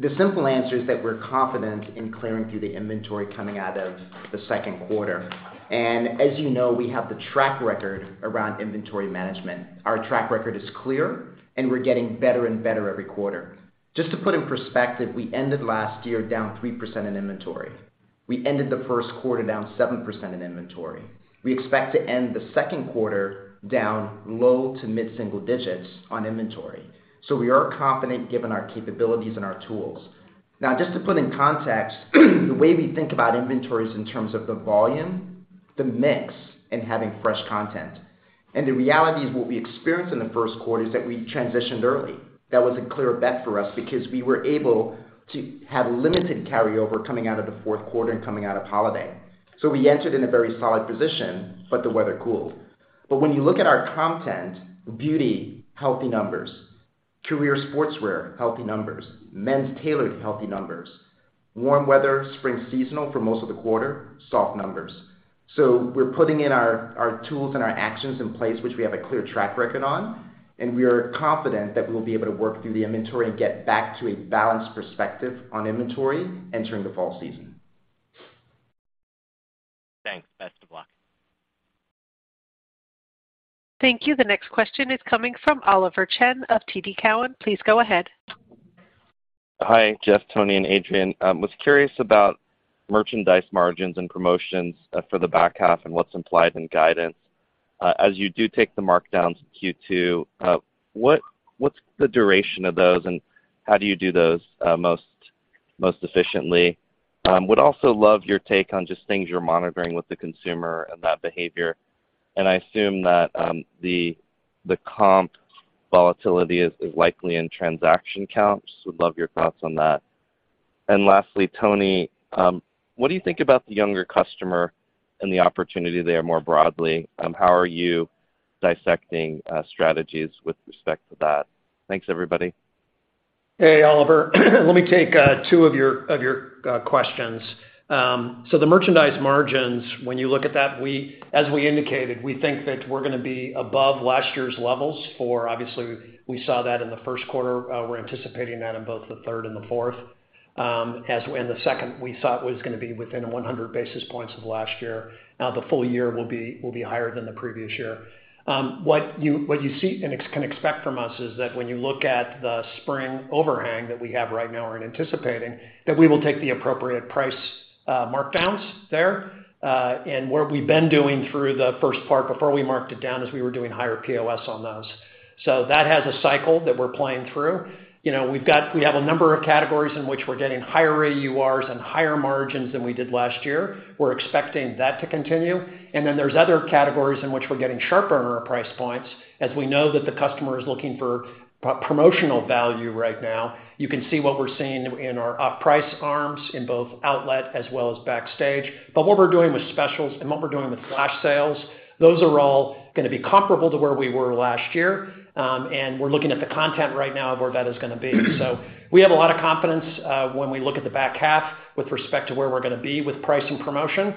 the simple answer is that we're confident in clearing through the inventory coming out of the second quarter. As you know, we have the track record around inventory management. Our track record is clear, and we're getting better and better every quarter. Just to put in perspective, we ended last year down 3% in inventory. We ended the first quarter down 7% in inventory. We expect to end the second quarter down low to mid single digits on inventory. We are confident, given our capabilities and our tools. Now, just to put in context, the way we think about inventories in terms of the volume, the mix, and having fresh content. The reality is what we experienced in the first quarter is that we transitioned early. That was a clear bet for us because we were able to have limited carryover coming out of the fourth quarter and coming out of holiday. We entered in a very solid position. The weather cooled. When you look at our content, beauty, healthy numbers, career sportswear, healthy numbers, men's tailored, healthy numbers, warm weather, spring seasonal for most of the quarter, soft numbers. We're putting in our tools and our actions in place, which we have a clear track record on, and we are confident that we'll be able to work through the inventory and get back to a balanced perspective on inventory entering the fall season. Thanks. Best of luck. Thank you. The next question is coming from Oliver Chen of TD Cowen. Please go ahead. Hi, Jeff, Tony, and Adrian. Was curious about merchandise margins and promotions for the back half and what's implied in guidance. As you do take the markdowns in Q2, what's the duration of those, and how do you do those most efficiently? Would also love your take on just things you're monitoring with the consumer and that behavior. I assume that the comp volatility is likely in transaction counts. Would love your thoughts on that. Lastly, Tony, what do you think about the younger customer and the opportunity there more broadly? How are you dissecting strategies with respect to that? Thanks, everybody. Hey, Oliver. Let me take two of your questions. The merchandise margins, when you look at that, as we indicated, we think that we're gonna be above last year's levels, for obviously, we saw that in the first quarter. We're anticipating that in both the third and the fourth. As in the second, we thought it was gonna be within 100 basis points of last year. Now, the full year will be higher than the previous year. What you see and can expect from us is that when you look at the spring overhang that we have right now and anticipating, that we will take the appropriate price markdowns there. What we've been doing through the first part before we marked it down, is we were doing higher POS on those. That has a cycle that we're playing through. You know, we have a number of categories in which we're getting higher AURs and higher margins than we did last year. We're expecting that to continue. Then there's other categories in which we're getting sharper on our price points, as we know that the customer is looking for promotional value right now. You can see what we're seeing in our off-price arms, in both outlet as well as backstage. What we're doing with specials and what we're doing with flash sales, those are all gonna be comparable to where we were last year. We're looking at the content right now of where that is gonna be. We have a lot of confidence, when we look at the back half with respect to where we're gonna be with price and promotion.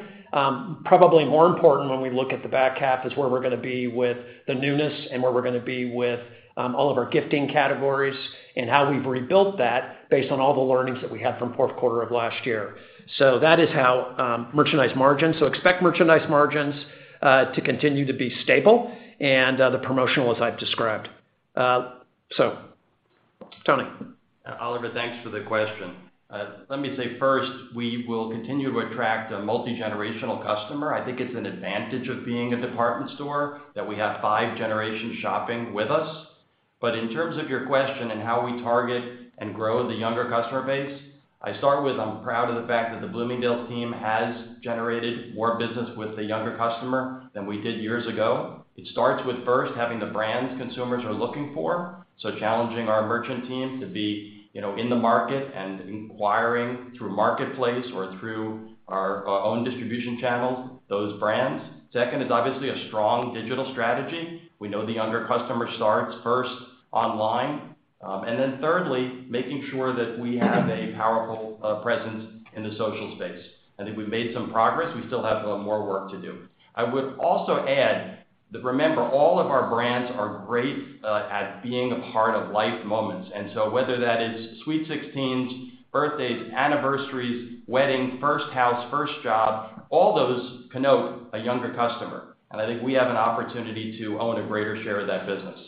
Probably more important, when we look at the back half, is where we're gonna be with the newness and where we're gonna be with all of our gifting categories, and how we've rebuilt that based on all the learnings that we had from fourth quarter of last year. That is how merchandise margins. Expect merchandise margins to continue to be stable and the promotional as I've described. Tony? Oliver, thanks for the question. Let me say first, we will continue to attract a multigenerational customer. I think it's an advantage of being a department store, that we have five generations shopping with us. In terms of your question and how we target and grow the younger customer base, I start with, I'm proud of the fact that the Bloomingdale's team has generated more business with the younger customer than we did years ago. It starts with, first, having the brands consumers are looking for, so challenging our merchant team to be, you know, in the market and inquiring through marketplace or through our own distribution channels, those brands. Second is obviously a strong digital strategy. We know the younger customer starts first online. And then thirdly, making sure that we have a powerful presence in the social space. I think we've made some progress. We still have a little more work to do. I would also add that, remember, all of our brands are great, at being a part of life moments. Whether that is sweet sixteens, birthdays, anniversaries, wedding, first house, first job, all those connote a younger customer, and I think we have an opportunity to own a greater share of that business.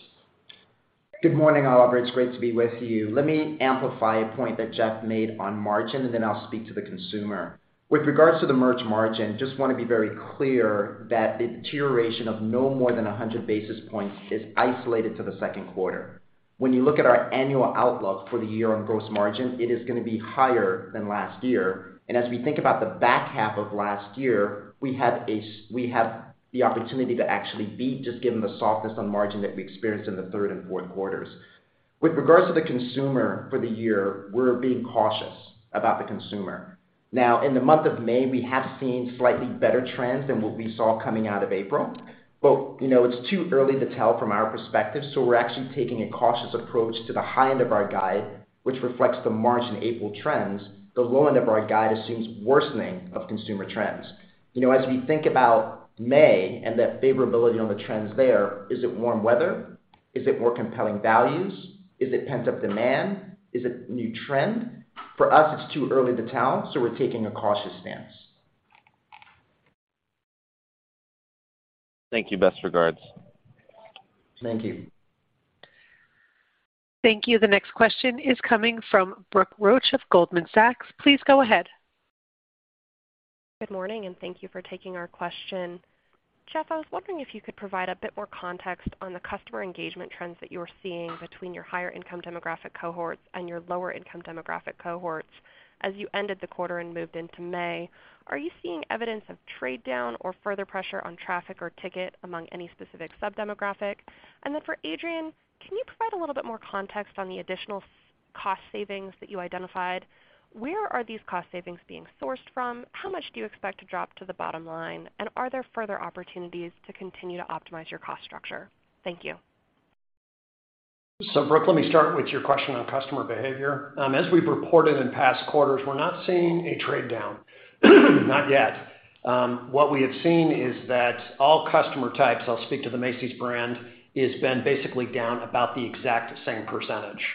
Good morning, Oliver. It's great to be with you. Let me amplify a point that Jeff made on margin, then I'll speak to the consumer. With regards to the merch margin, just want to be very clear that the deterioration of no more than 100 basis points is isolated to the second quarter. When you look at our annual outlook for the year on gross margin, it is gonna be higher than last year. As we think about the back half of last year, we have the opportunity to actually beat, just given the softness on margin that we experienced in the third and fourth quarters. With regards to the consumer for the year, we're being cautious about the consumer. In the month of May, we have seen slightly better trends than what we saw coming out of April. You know, it's too early to tell from our perspective, so we're actually taking a cautious approach to the high end of our guide, which reflects the March and April trends. The low end of our guide assumes worsening of consumer trends. You know, as we think about May and that favorability on the trends there, is it warm weather? Is it more compelling values? Is it pent-up demand? Is it new trend? For us, it's too early to tell, so we're taking a cautious stance. Thank you. Best regards. Thank you. Thank you. The next question is coming from Brooke Roach of Goldman Sachs. Please go ahead. Good morning, and thank you for taking our question. Jeff, I was wondering if you could provide a bit more context on the customer engagement trends that you are seeing between your higher income demographic cohorts and your lower income demographic cohorts as you ended the quarter and moved into May. Are you seeing evidence of trade down or further pressure on traffic or ticket among any specific sub-demographic? Then for Adrian, can you provide a little bit more context on the additional cost savings that you identified? Where are these cost savings being sourced from? How much do you expect to drop to the bottom line, and are there further opportunities to continue to optimize your cost structure? Thank you. Brooke, let me start with your question on customer behavior. As we've reported in past quarters, we're not seeing a trade down. Not yet. What we have seen is that all customer types, I'll speak to the Macy's brand, has been basically down about the exact same percentage.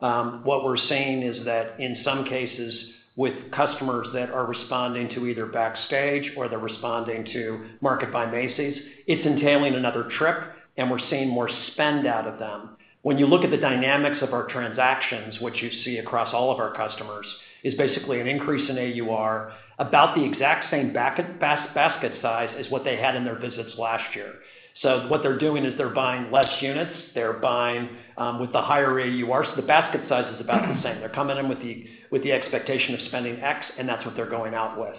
What we're seeing is that in some cases, with customers that are responding to either backstage or they're responding to Market by Macy's, it's entailing another trip, and we're seeing more spend out of them. When you look at the dynamics of our transactions, which you see across all of our customers, is basically an increase in AUR, about the exact same basket size as what they had in their visits last year. What they're doing is they're buying less units, they're buying with the higher AUR, so the basket size is about the same. They're coming in with the expectation of spending X, and that's what they're going out with.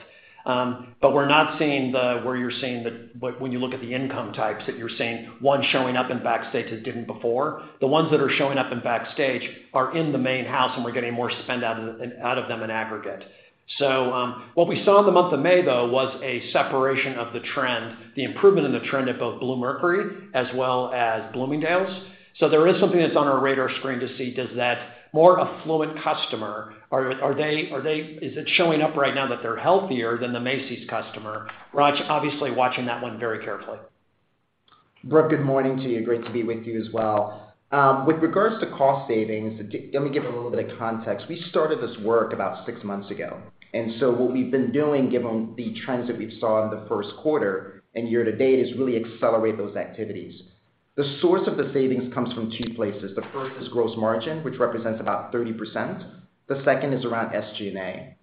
We're not seeing where you're seeing the, when you look at the income types, that you're seeing one showing up in Backstage that didn't before. The ones that are showing up in Backstage are in the main house, and we're getting more spend out of them in aggregate. What we saw in the month of May, though, was a separation of the trend, the improvement in the trend at both Bluemercury as well as Bloomingdale's. There is something that's on our radar screen to see, does that more affluent customer, is it showing up right now that they're healthier than the Macy's customer? We're obviously watching that one very carefully. Brooke, good morning to you. Great to be with you as well. With regards to cost savings, let me give a little bit of context. We started this work about six months ago. What we've been doing, given the trends that we saw in the first quarter and year to date, is really accelerate those activities. The source of the savings comes from two places. The first is gross margin, which represents about 30%. The second is around SG&A.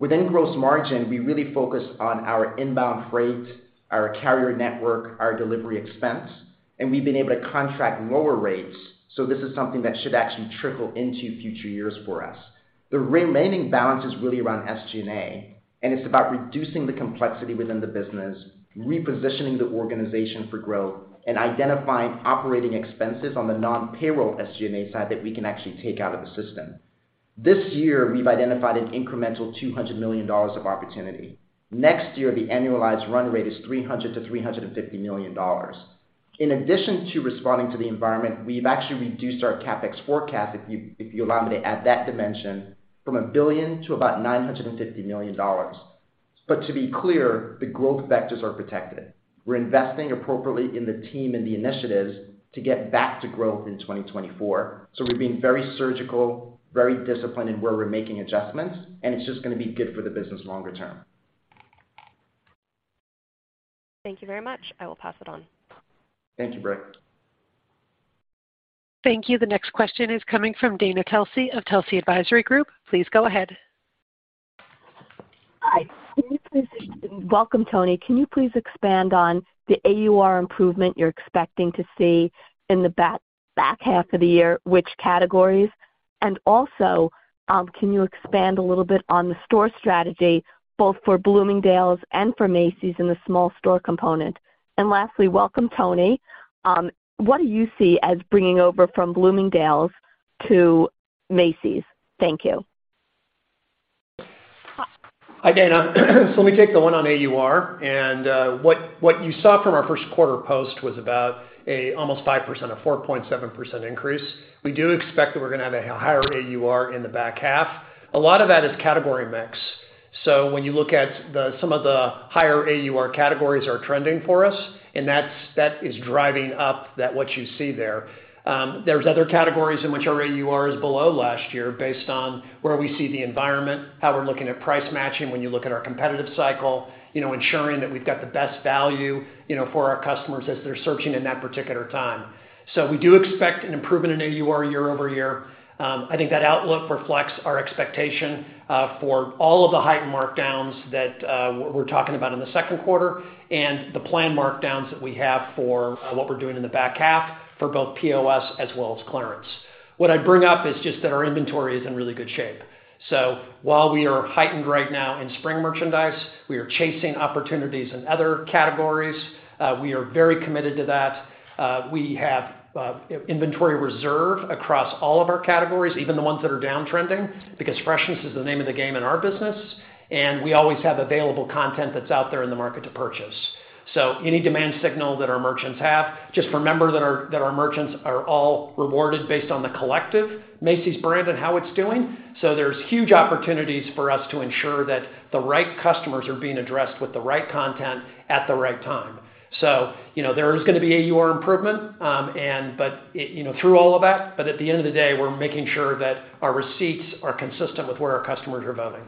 Within gross margin, we really focus on our inbound freight, our carrier network, our delivery expense, and we've been able to contract lower rates, so this is something that should actually trickle into future years for us. The remaining balance is really around SG&A, and it's about reducing the complexity within the business, repositioning the organization for growth, and identifying operating expenses on the non-payroll SG&A side that we can actually take out of the system. This year, we've identified an incremental $200 million of opportunity. Next year, the annualized run rate is $300 million-$350 million. In addition to responding to the environment, we've actually reduced our CapEx forecast, if you allow me to add that dimension, from $1 billion to about $950 million. To be clear, the growth vectors are protected. We're investing appropriately in the team and the initiatives to get back to growth in 2024. We're being very surgical, very disciplined in where we're making adjustments, and it's just gonna be good for the business longer term. Thank you very much. I will pass it on. Thank you, Brooke. Thank you. The next question is coming from Dana Telsey of Telsey Advisory Group. Please go ahead. Hi. Welcome, Tony. Can you please expand on the AUR improvement you're expecting to see in the back half of the year, which categories? Also, can you expand a little bit on the store strategy, both for Bloomingdale's and for Macy's in the small store component? Lastly, welcome, Tony. What do you see as bringing over from Bloomingdale's to Macy's? Thank you. Hi, Dana. Let me take the one on AUR. What you saw from our first quarter post was about a almost 5% or 4.7% increase. We do expect that we're gonna have a higher AUR in the back half. A lot of that is category mix. When you look at some of the higher AUR categories are trending for us, that is driving up that what you see there. There's other categories in which our AUR is below last year based on where we see the environment, how we're looking at price matching, when you look at our competitive cycle, you know, ensuring that we've got the best value, you know, for our customers as they're searching in that particular time. We do expect an improvement in AUR year-over-year. I think that outlook reflects our expectation for all of the heightened markdowns that we're talking about in the second quarter and the planned markdowns that we have for what we're doing in the back half for both POS as well as clearance. What I'd bring up is just that our inventory is in really good shape. While we are heightened right now in spring merchandise, we are chasing opportunities in other categories. We are very committed to that. We have inventory reserve across all of our categories, even the ones that are downtrending, because freshness is the name of the game in our business, and we always have available content that's out there in the market to purchase. any demand signal that our merchants have, just remember that our merchants are all rewarded based on the collective Macy's brand and how it's doing. there's huge opportunities for us to ensure that the right customers are being addressed with the right content at the right time. you know, there is gonna be AUR improvement, and but, you know, through all of that, but at the end of the day, we're making sure that our receipts are consistent with where our customers are voting.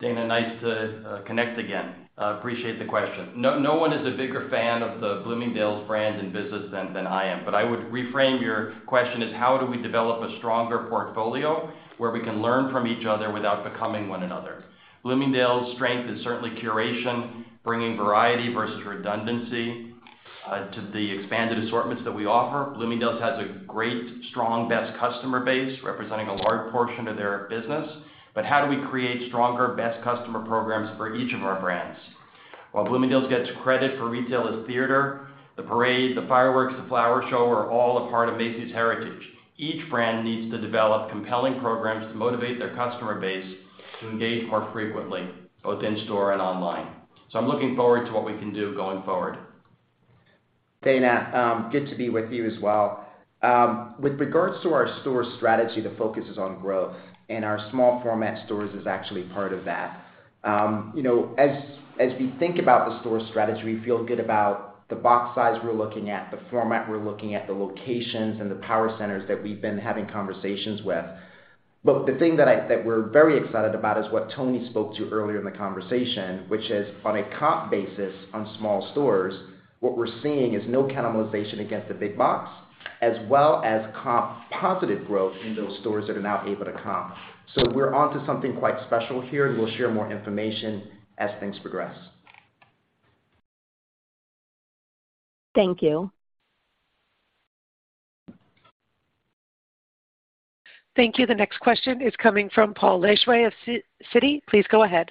Dana, nice to connect again. I appreciate the question. No, no one is a bigger fan of the Bloomingdale's brand and business than I am. I would reframe your question as how do we develop a stronger portfolio where we can learn from each other without becoming one another? Bloomingdale's strength is certainly curation, bringing variety versus redundancy to the expanded assortments that we offer. Bloomingdale's has a great, strong best customer base, representing a large portion of their business. How do we create stronger best customer programs for each of our brands? While Bloomingdale's gets credit for retail as theater, the parade, the fireworks, the flower show are all a part of Macy's heritage. Each brand needs to develop compelling programs to motivate their customer base to engage more frequently, both in store and online. I'm looking forward to what we can do going forward. Dana, good to be with you as well. With regards to our store strategy, the focus is on growth, and our small format stores is actually part of that. You know, as we think about the store strategy, we feel good about the box size we're looking at, the format we're looking at, the locations and the power centers that we've been having conversations with. The thing that we're very excited about is what Tony spoke to earlier in the conversation, which is on a comp basis on small stores, what we're seeing is no cannibalization against the big box, as well as comp positive growth in those stores that are now able to comp. We're onto something quite special here, and we'll share more information as things progress. Thank you. Thank you. The next question is coming from Paul Lejuez of Citi. Please go ahead.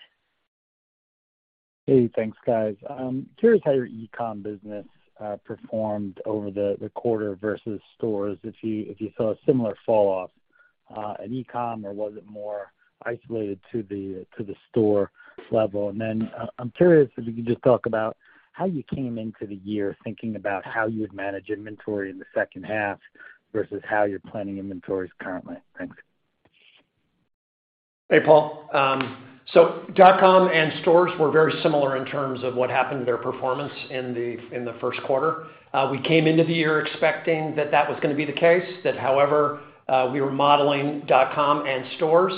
Hey, thanks, guys. Curious how your e-com business performed over the quarter versus stores, if you saw a similar falloff in e-com, or was it more isolated to the store level? I'm curious if you could just talk about how you came into the year thinking about how you would manage inventory in the second half versus how you're planning inventories currently. Thanks. Hey, Paul. dot-com and stores were very similar in terms of what happened to their performance in the first quarter. We came into the year expecting that was gonna be the case, however, we were modeling dot-com and stores.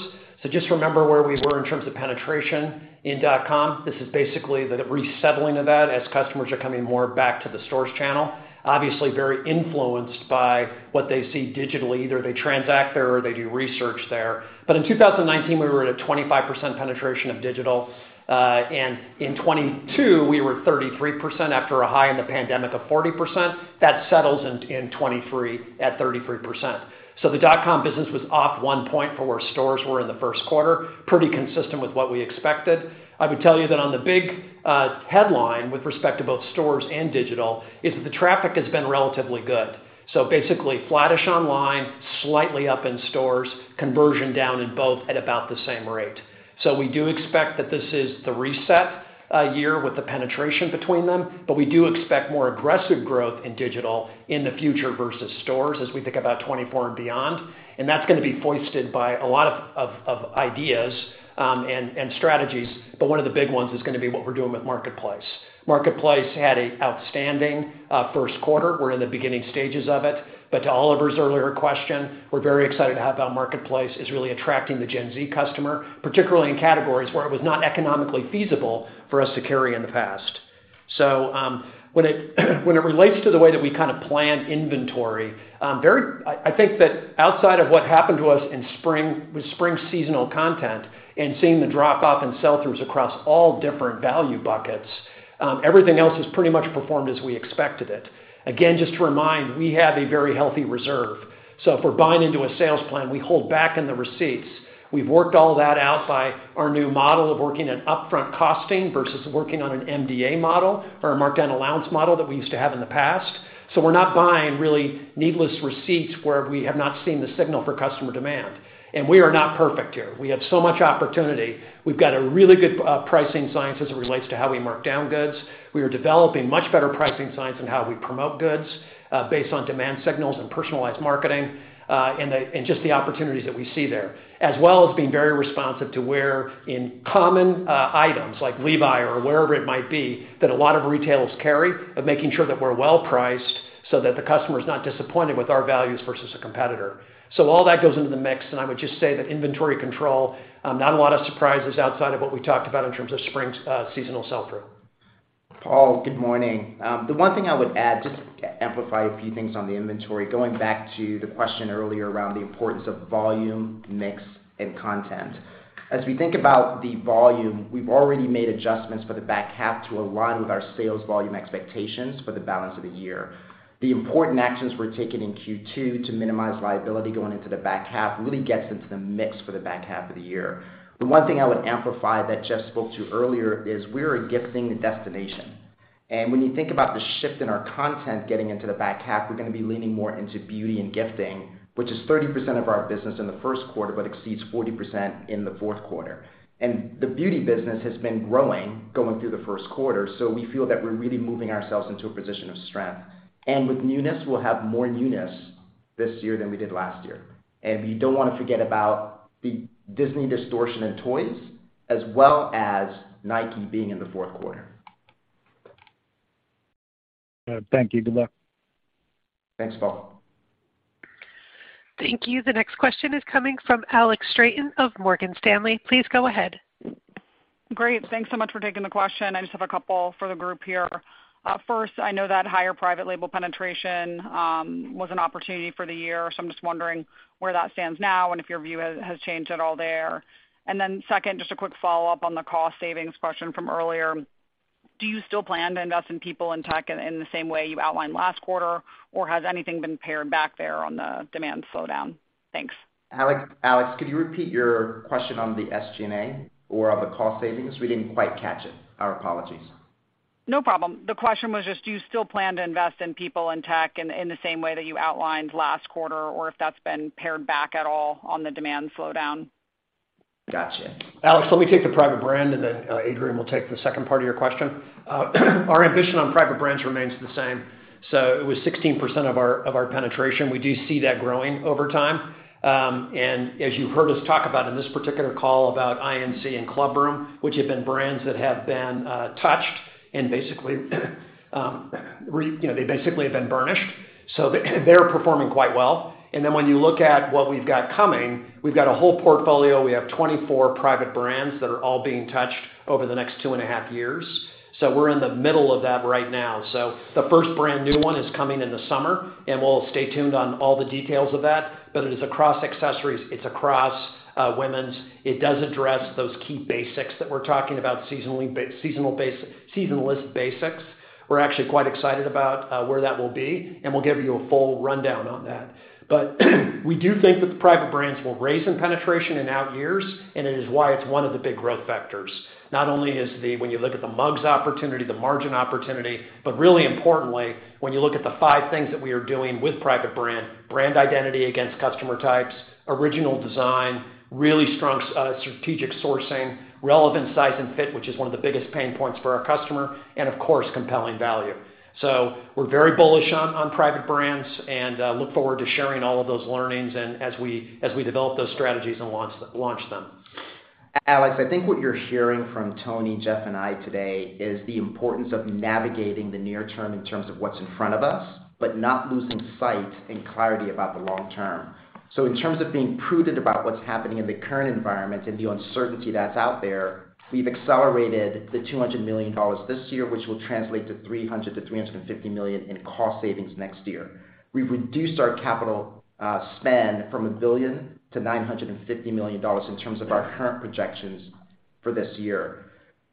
Just remember where we were in terms of penetration in dot-com. This is basically the resettling of that as customers are coming more back to the stores channel. Obviously, very influenced by what they see digitally. Either they transact there or they do research there. In 2019, we were at a 25% penetration of digital, and in 2022, we were 33% after a high in the pandemic of 40%. That settles in 2023 at 33%. The dot-com business was off one point for where stores were in the first quarter, pretty consistent with what we expected. I would tell you that on the big headline, with respect to both stores and digital, is that the traffic has been relatively good. Basically, flattish online, slightly up in stores, conversion down in both at about the same rate. We do expect that this is the reset year with the penetration between them, we do expect more aggressive growth in digital in the future versus stores as we think about 2024 and beyond. That's gonna be foisted by a lot of ideas and strategies, one of the big ones is gonna be what we're doing with Macy's Marketplace. Macy's Marketplace had an outstanding first quarter. We're in the beginning stages of it, to Oliver's earlier question, we're very excited to have our Marketplace is really attracting the Gen Z customer, particularly in categories where it was not economically feasible for us to carry in the past. When it relates to the way that we kind of plan inventory, I think that outside of what happened to us in spring, with spring seasonal content and seeing the drop-off in sell-throughs across all different value buckets, everything else has pretty much performed as we expected it. Again, just to remind, we have a very healthy reserve, if we're buying into a sales plan, we hold back on the receipts. We've worked all that out by our new model of working at upfront costing versus working on an MDA model or a markdown allowance model that we used to have in the past. We're not buying really needless receipts where we have not seen the signal for customer demand. We are not perfect here. We have so much opportunity. We've got a really good pricing science as it relates to how we mark down goods. We are developing much better pricing science on how we promote goods based on demand signals and personalized marketing, just the opportunities that we see there. As well as being very responsive to where in common, items like Levi's or wherever it might be, that a lot of retailers carry, but making sure that we're well-priced so that the customer is not disappointed with our values versus a competitor. All that goes into the mix, and I would just say that inventory control, not a lot of surprises outside of what we talked about in terms of spring, seasonal sell-through. Paul, good morning. The one thing I would add, just to amplify a few things on the inventory, going back to the question earlier around the importance of volume, mix, and content. We think about the volume, we've already made adjustments for the back half to align with our sales volume expectations for the balance of the year. The important actions we're taking in Q2 to minimize liability going into the back half really gets into the mix for the back half of the year. The one thing I would amplify that Jeff spoke to earlier is we are a gifting destination, when you think about the shift in our content getting into the back half, we're gonna be leaning more into beauty and gifting, which is 30% of our business in the first quarter, but exceeds 40% in the fourth quarter. The beauty business has been growing, going through the first quarter. We feel that we're really moving ourselves into a position of strength. With newness, we'll have more newness this year than we did last year. You don't wanna forget about the Disney distortion in toys, as well as Nike being in the fourth quarter. Thank you. Good luck. Thanks, Paul. Thank you. The next question is coming from Alex Straton of Morgan Stanley. Please go ahead. Great. Thanks so much for taking the question. I just have a couple for the group here. First, I know that higher private label penetration was an opportunity for the year, so I'm just wondering where that stands now and if your view has changed at all there. Second, just a quick follow-up on the cost savings question from earlier. Do you still plan to invest in people and tech in the same way you outlined last quarter? Or has anything been pared back there on the demand slowdown? Thanks. Alex, could you repeat your question on the SG&A or on the cost savings? We didn't quite catch it. Our apologies. No problem. The question was just, do you still plan to invest in people and tech in the same way that you outlined last quarter, or if that's been pared back at all on the demand slowdown? Gotcha. Alex, let me take the private brand, and then Adrian will take the second part of your question. Our ambition on private brands remains the same. It was 16% of our penetration. We do see that growing over time. And as you heard us talk about in this particular call about I.N.C. and Club Room, which have been brands that have been touched and basically, you know, they basically have been burnished, so they're performing quite well. When you look at what we've got coming, we've got a whole portfolio. We have 24 private brands that are all being touched over the next two and a half years. We're in the middle of that right now. The first brand new one is coming in the summer, and we'll stay tuned on all the details of that. It is across accessories, it's across women's. It does address those key basics that we're talking about seasonless basics. We're actually quite excited about where that will be, and we'll give you a full rundown on that. We do think that the private brands will raise in penetration in out years, and it is why it's one of the big growth vectors. Not only when you look at the margin opportunity, the margin opportunity, but really importantly, when you look at the five things that we are doing with private brand: brand identity against customer types, original design, really strong strategic sourcing, relevant size and fit, which is one of the biggest pain points for our customer, and of course, compelling value. We're very bullish on private brands and look forward to sharing all of those learnings and as we develop those strategies and launch them. Alex, I think what you're hearing from Tony, Jeff, and I today is the importance of navigating the near term in terms of what's in front of us, but not losing sight and clarity about the long term. In terms of being prudent about what's happening in the current environment and the uncertainty that's out there, we've accelerated the $200 million this year, which will translate to $300 million-$350 million in cost savings next year. We've reduced our capital spend from $1 billion to $950 million in terms of our current projections for this year.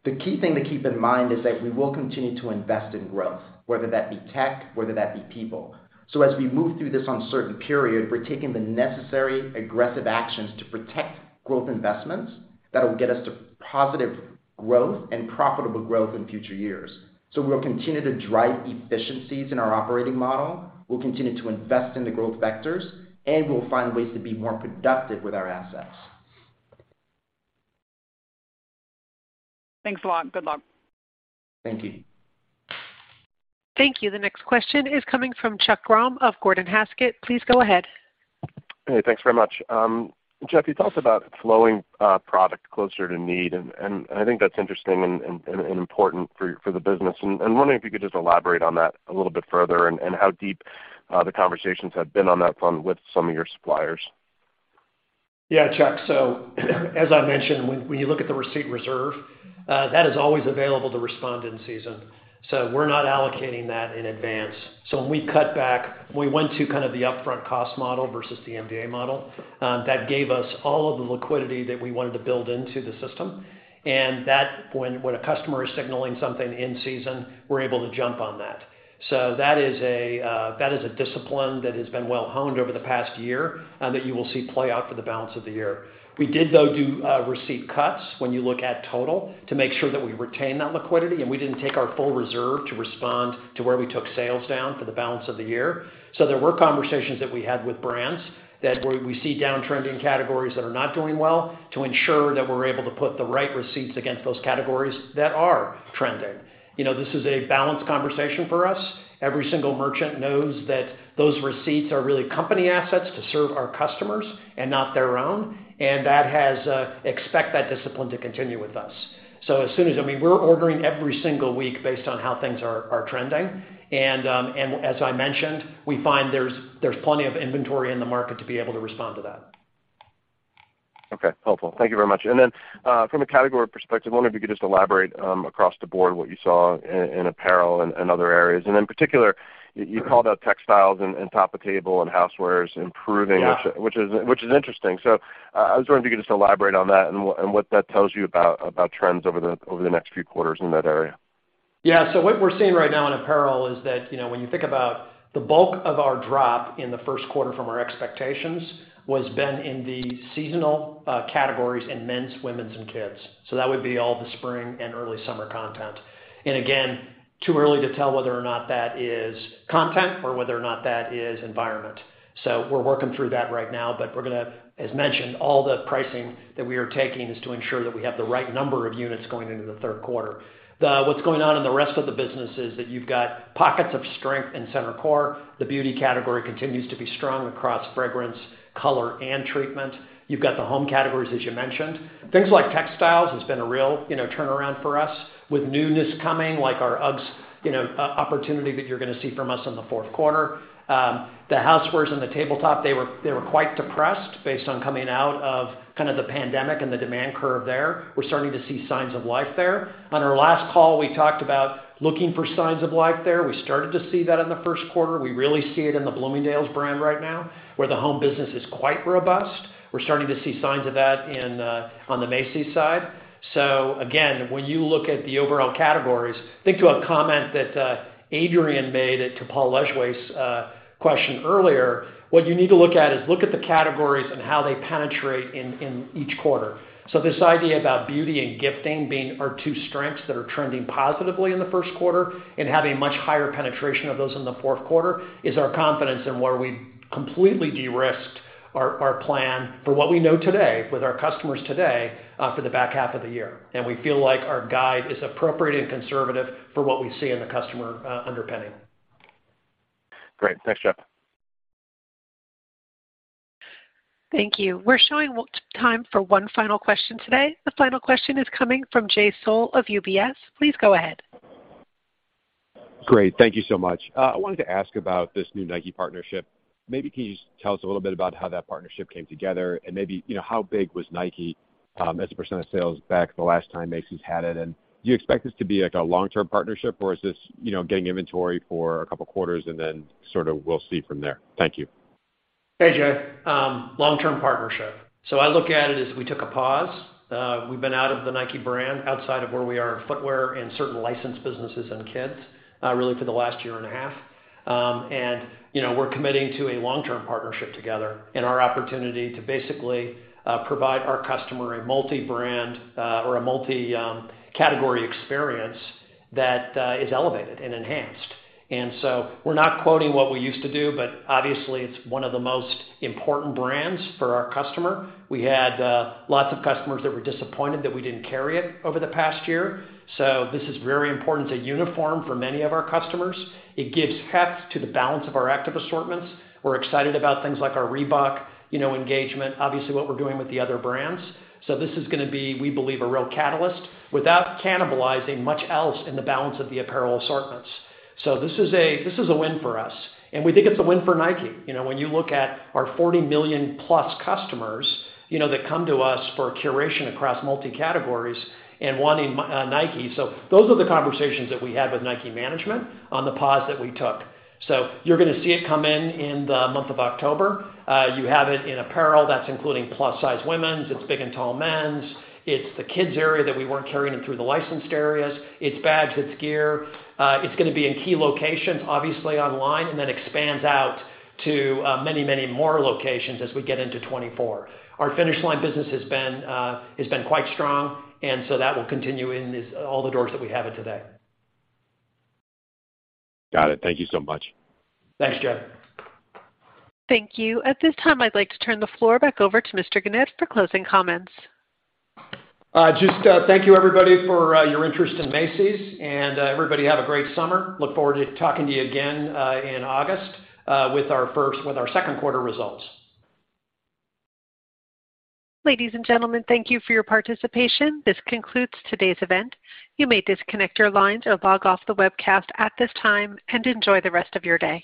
The key thing to keep in mind is that we will continue to invest in growth, whether that be tech, whether that be people. As we move through this uncertain period, we're taking the necessary aggressive actions to protect growth investments that will get us to positive growth and profitable growth in future years. We'll continue to drive efficiencies in our operating model, we'll continue to invest in the growth vectors, and we'll find ways to be more productive with our assets. Thanks a lot. Good luck. Thank you. Thank you. The next question is coming from Chuck Grom of Gordon Haskett. Please go ahead. Hey, thanks very much. Jeff, you talked about flowing product closer to need, and I think that's interesting and important for the business. Wondering if you could just elaborate on that a little bit further and how deep the conversations have been on that front with some of your suppliers. Yeah, Chuck. As I mentioned, when you look at the receipt reserve, that is always available to respond in season, so we're not allocating that in advance. When we cut back, we went to kind of the upfront cost model versus the MDA model. That gave us all of the liquidity that we wanted to build into the system. That when a customer is signaling something in season, we're able to jump on that. That is a discipline that has been well honed over the past year, that you will see play out for the balance of the year. We did, though, do receipt cuts when you look at total, to make sure that we retain that liquidity, and we didn't take our full reserve to respond to where we took sales down for the balance of the year. There were conversations that we had with brands that where we see downtrending categories that are not doing well, to ensure that we're able to put the right receipts against those categories that are trending. You know, this is a balanced conversation for us. Every single merchant knows that those receipts are really company assets to serve our customers and not their own, and that has expect that discipline to continue with us. I mean, we're ordering every single week based on how things are trending, and as I mentioned, we find there's plenty of inventory in the market to be able to respond to that. Okay. Helpful. Thank you very much. Then, from a category perspective, I wonder if you could just elaborate across the board, what you saw in apparel and other areas. In particular, you called out textiles and top of table and housewares improving. Yeah. which is interesting. I was wondering if you could just elaborate on that and what that tells you about trends over the next few quarters in that area? Yeah. What we're seeing right now in apparel is that, you know, when you think about the bulk of our drop in the first quarter from our expectations, was been in the seasonal categories in men's, women's, and kids. That would be all the spring and early summer content. Too early to tell whether or not that is content or whether or not that is environment. We're working through that right now, but we're gonna, as mentioned, all the pricing that we are taking is to ensure that we have the right number of units going into the third quarter. What's going on in the rest of the business is that you've got pockets of strength in center core. The beauty category continues to be strong across fragrance, color, and treatment. You've got the home categories, as you mentioned. Things like textiles has been a real, you know, turnaround for us, with newness coming, like our UGGs, you know, opportunity that you're gonna see from us in the fourth quarter. The housewares and the tabletop, they were quite depressed based on coming out of kind of the pandemic and the demand curve there. We're starting to see signs of life there. On our last call, we talked about looking for signs of life there. We started to see that in the first quarter. We really see it in the Bloomingdale's brand right now, where the home business is quite robust. We're starting to see signs of that on the Macy's side. Again, when you look at the overall categories, think to a comment that Adrian made to Paul Lejuez question earlier, what you need to look at is look at the categories and how they penetrate in each quarter. This idea about beauty and gifting being our two strengths that are trending positively in the first quarter and having much higher penetration of those in the fourth quarter is our confidence in where we've completely de-risked our plan for what we know today with our customers today for the back half of the year. We feel like our guide is appropriate and conservative for what we see in the customer underpinning. Great. Thanks, Jeff. Thank you. We're showing time for one final question today. The final question is coming from Jay Sole of UBS. Please go ahead. Great. Thank you so much. I wanted to ask about this new Nike partnership. Can you just tell us a little bit about how that partnership came together, and maybe, you know, how big was Nike as a percentage of sales back the last time Macy's had it? Do you expect this to be, like, a long-term partnership, or is this, you know, getting inventory for a couple of quarters and then sort of we'll see from there? Thank you. Hey, Jay. Long-term partnership. I look at it as we took a pause. We've been out of the Nike brand outside of where we are in footwear and certain licensed businesses and kids, really for the last year and a half. You know, we're committing to a long-term partnership together and our opportunity to basically provide our customer a multi-brand or a multi-category experience that is elevated and enhanced. We're not quoting what we used to do, but obviously, it's one of the most important brands for our customer. We had lots of customers that were disappointed that we didn't carry it over the past year, so this is very important to uniform for many of our customers. It gives heft to the balance of our active assortments. We're excited about things like our Reebok, you know, engagement, obviously, what we're doing with the other brands. This is gonna be, we believe, a real catalyst without cannibalizing much else in the balance of the apparel assortments. This is a, this is a win for us, and we think it's a win for Nike. You know, when you look at our $40 million-plus customers, you know, that come to us for curation across multi-categories and wanting Nike. Those are the conversations that we had with Nike management on the pause that we took. You're gonna see it come in in the month of October. You have it in apparel, that's including plus-size women's, it's big and tall men's, it's the kids' area that we weren't carrying it through the licensed areas, it's bags, it's gear. It's gonna be in key locations, obviously online, and then expands out to many, many more locations as we get into 2024. Our Finish Line business has been quite strong, and so that will continue in all the doors that we have it today. Got it. Thank you so much. Thanks, Jay. Thank you. At this time, I'd like to turn the floor back over to Mr. Gennette for closing comments. Just, thank you, everybody, for your interest in Macy's, and everybody, have a great summer. Look forward to talking to you again in August with our second quarter results. Ladies and gentlemen, thank you for your participation. This concludes today's event. You may disconnect your lines or log off the webcast at this time, and enjoy the rest of your day.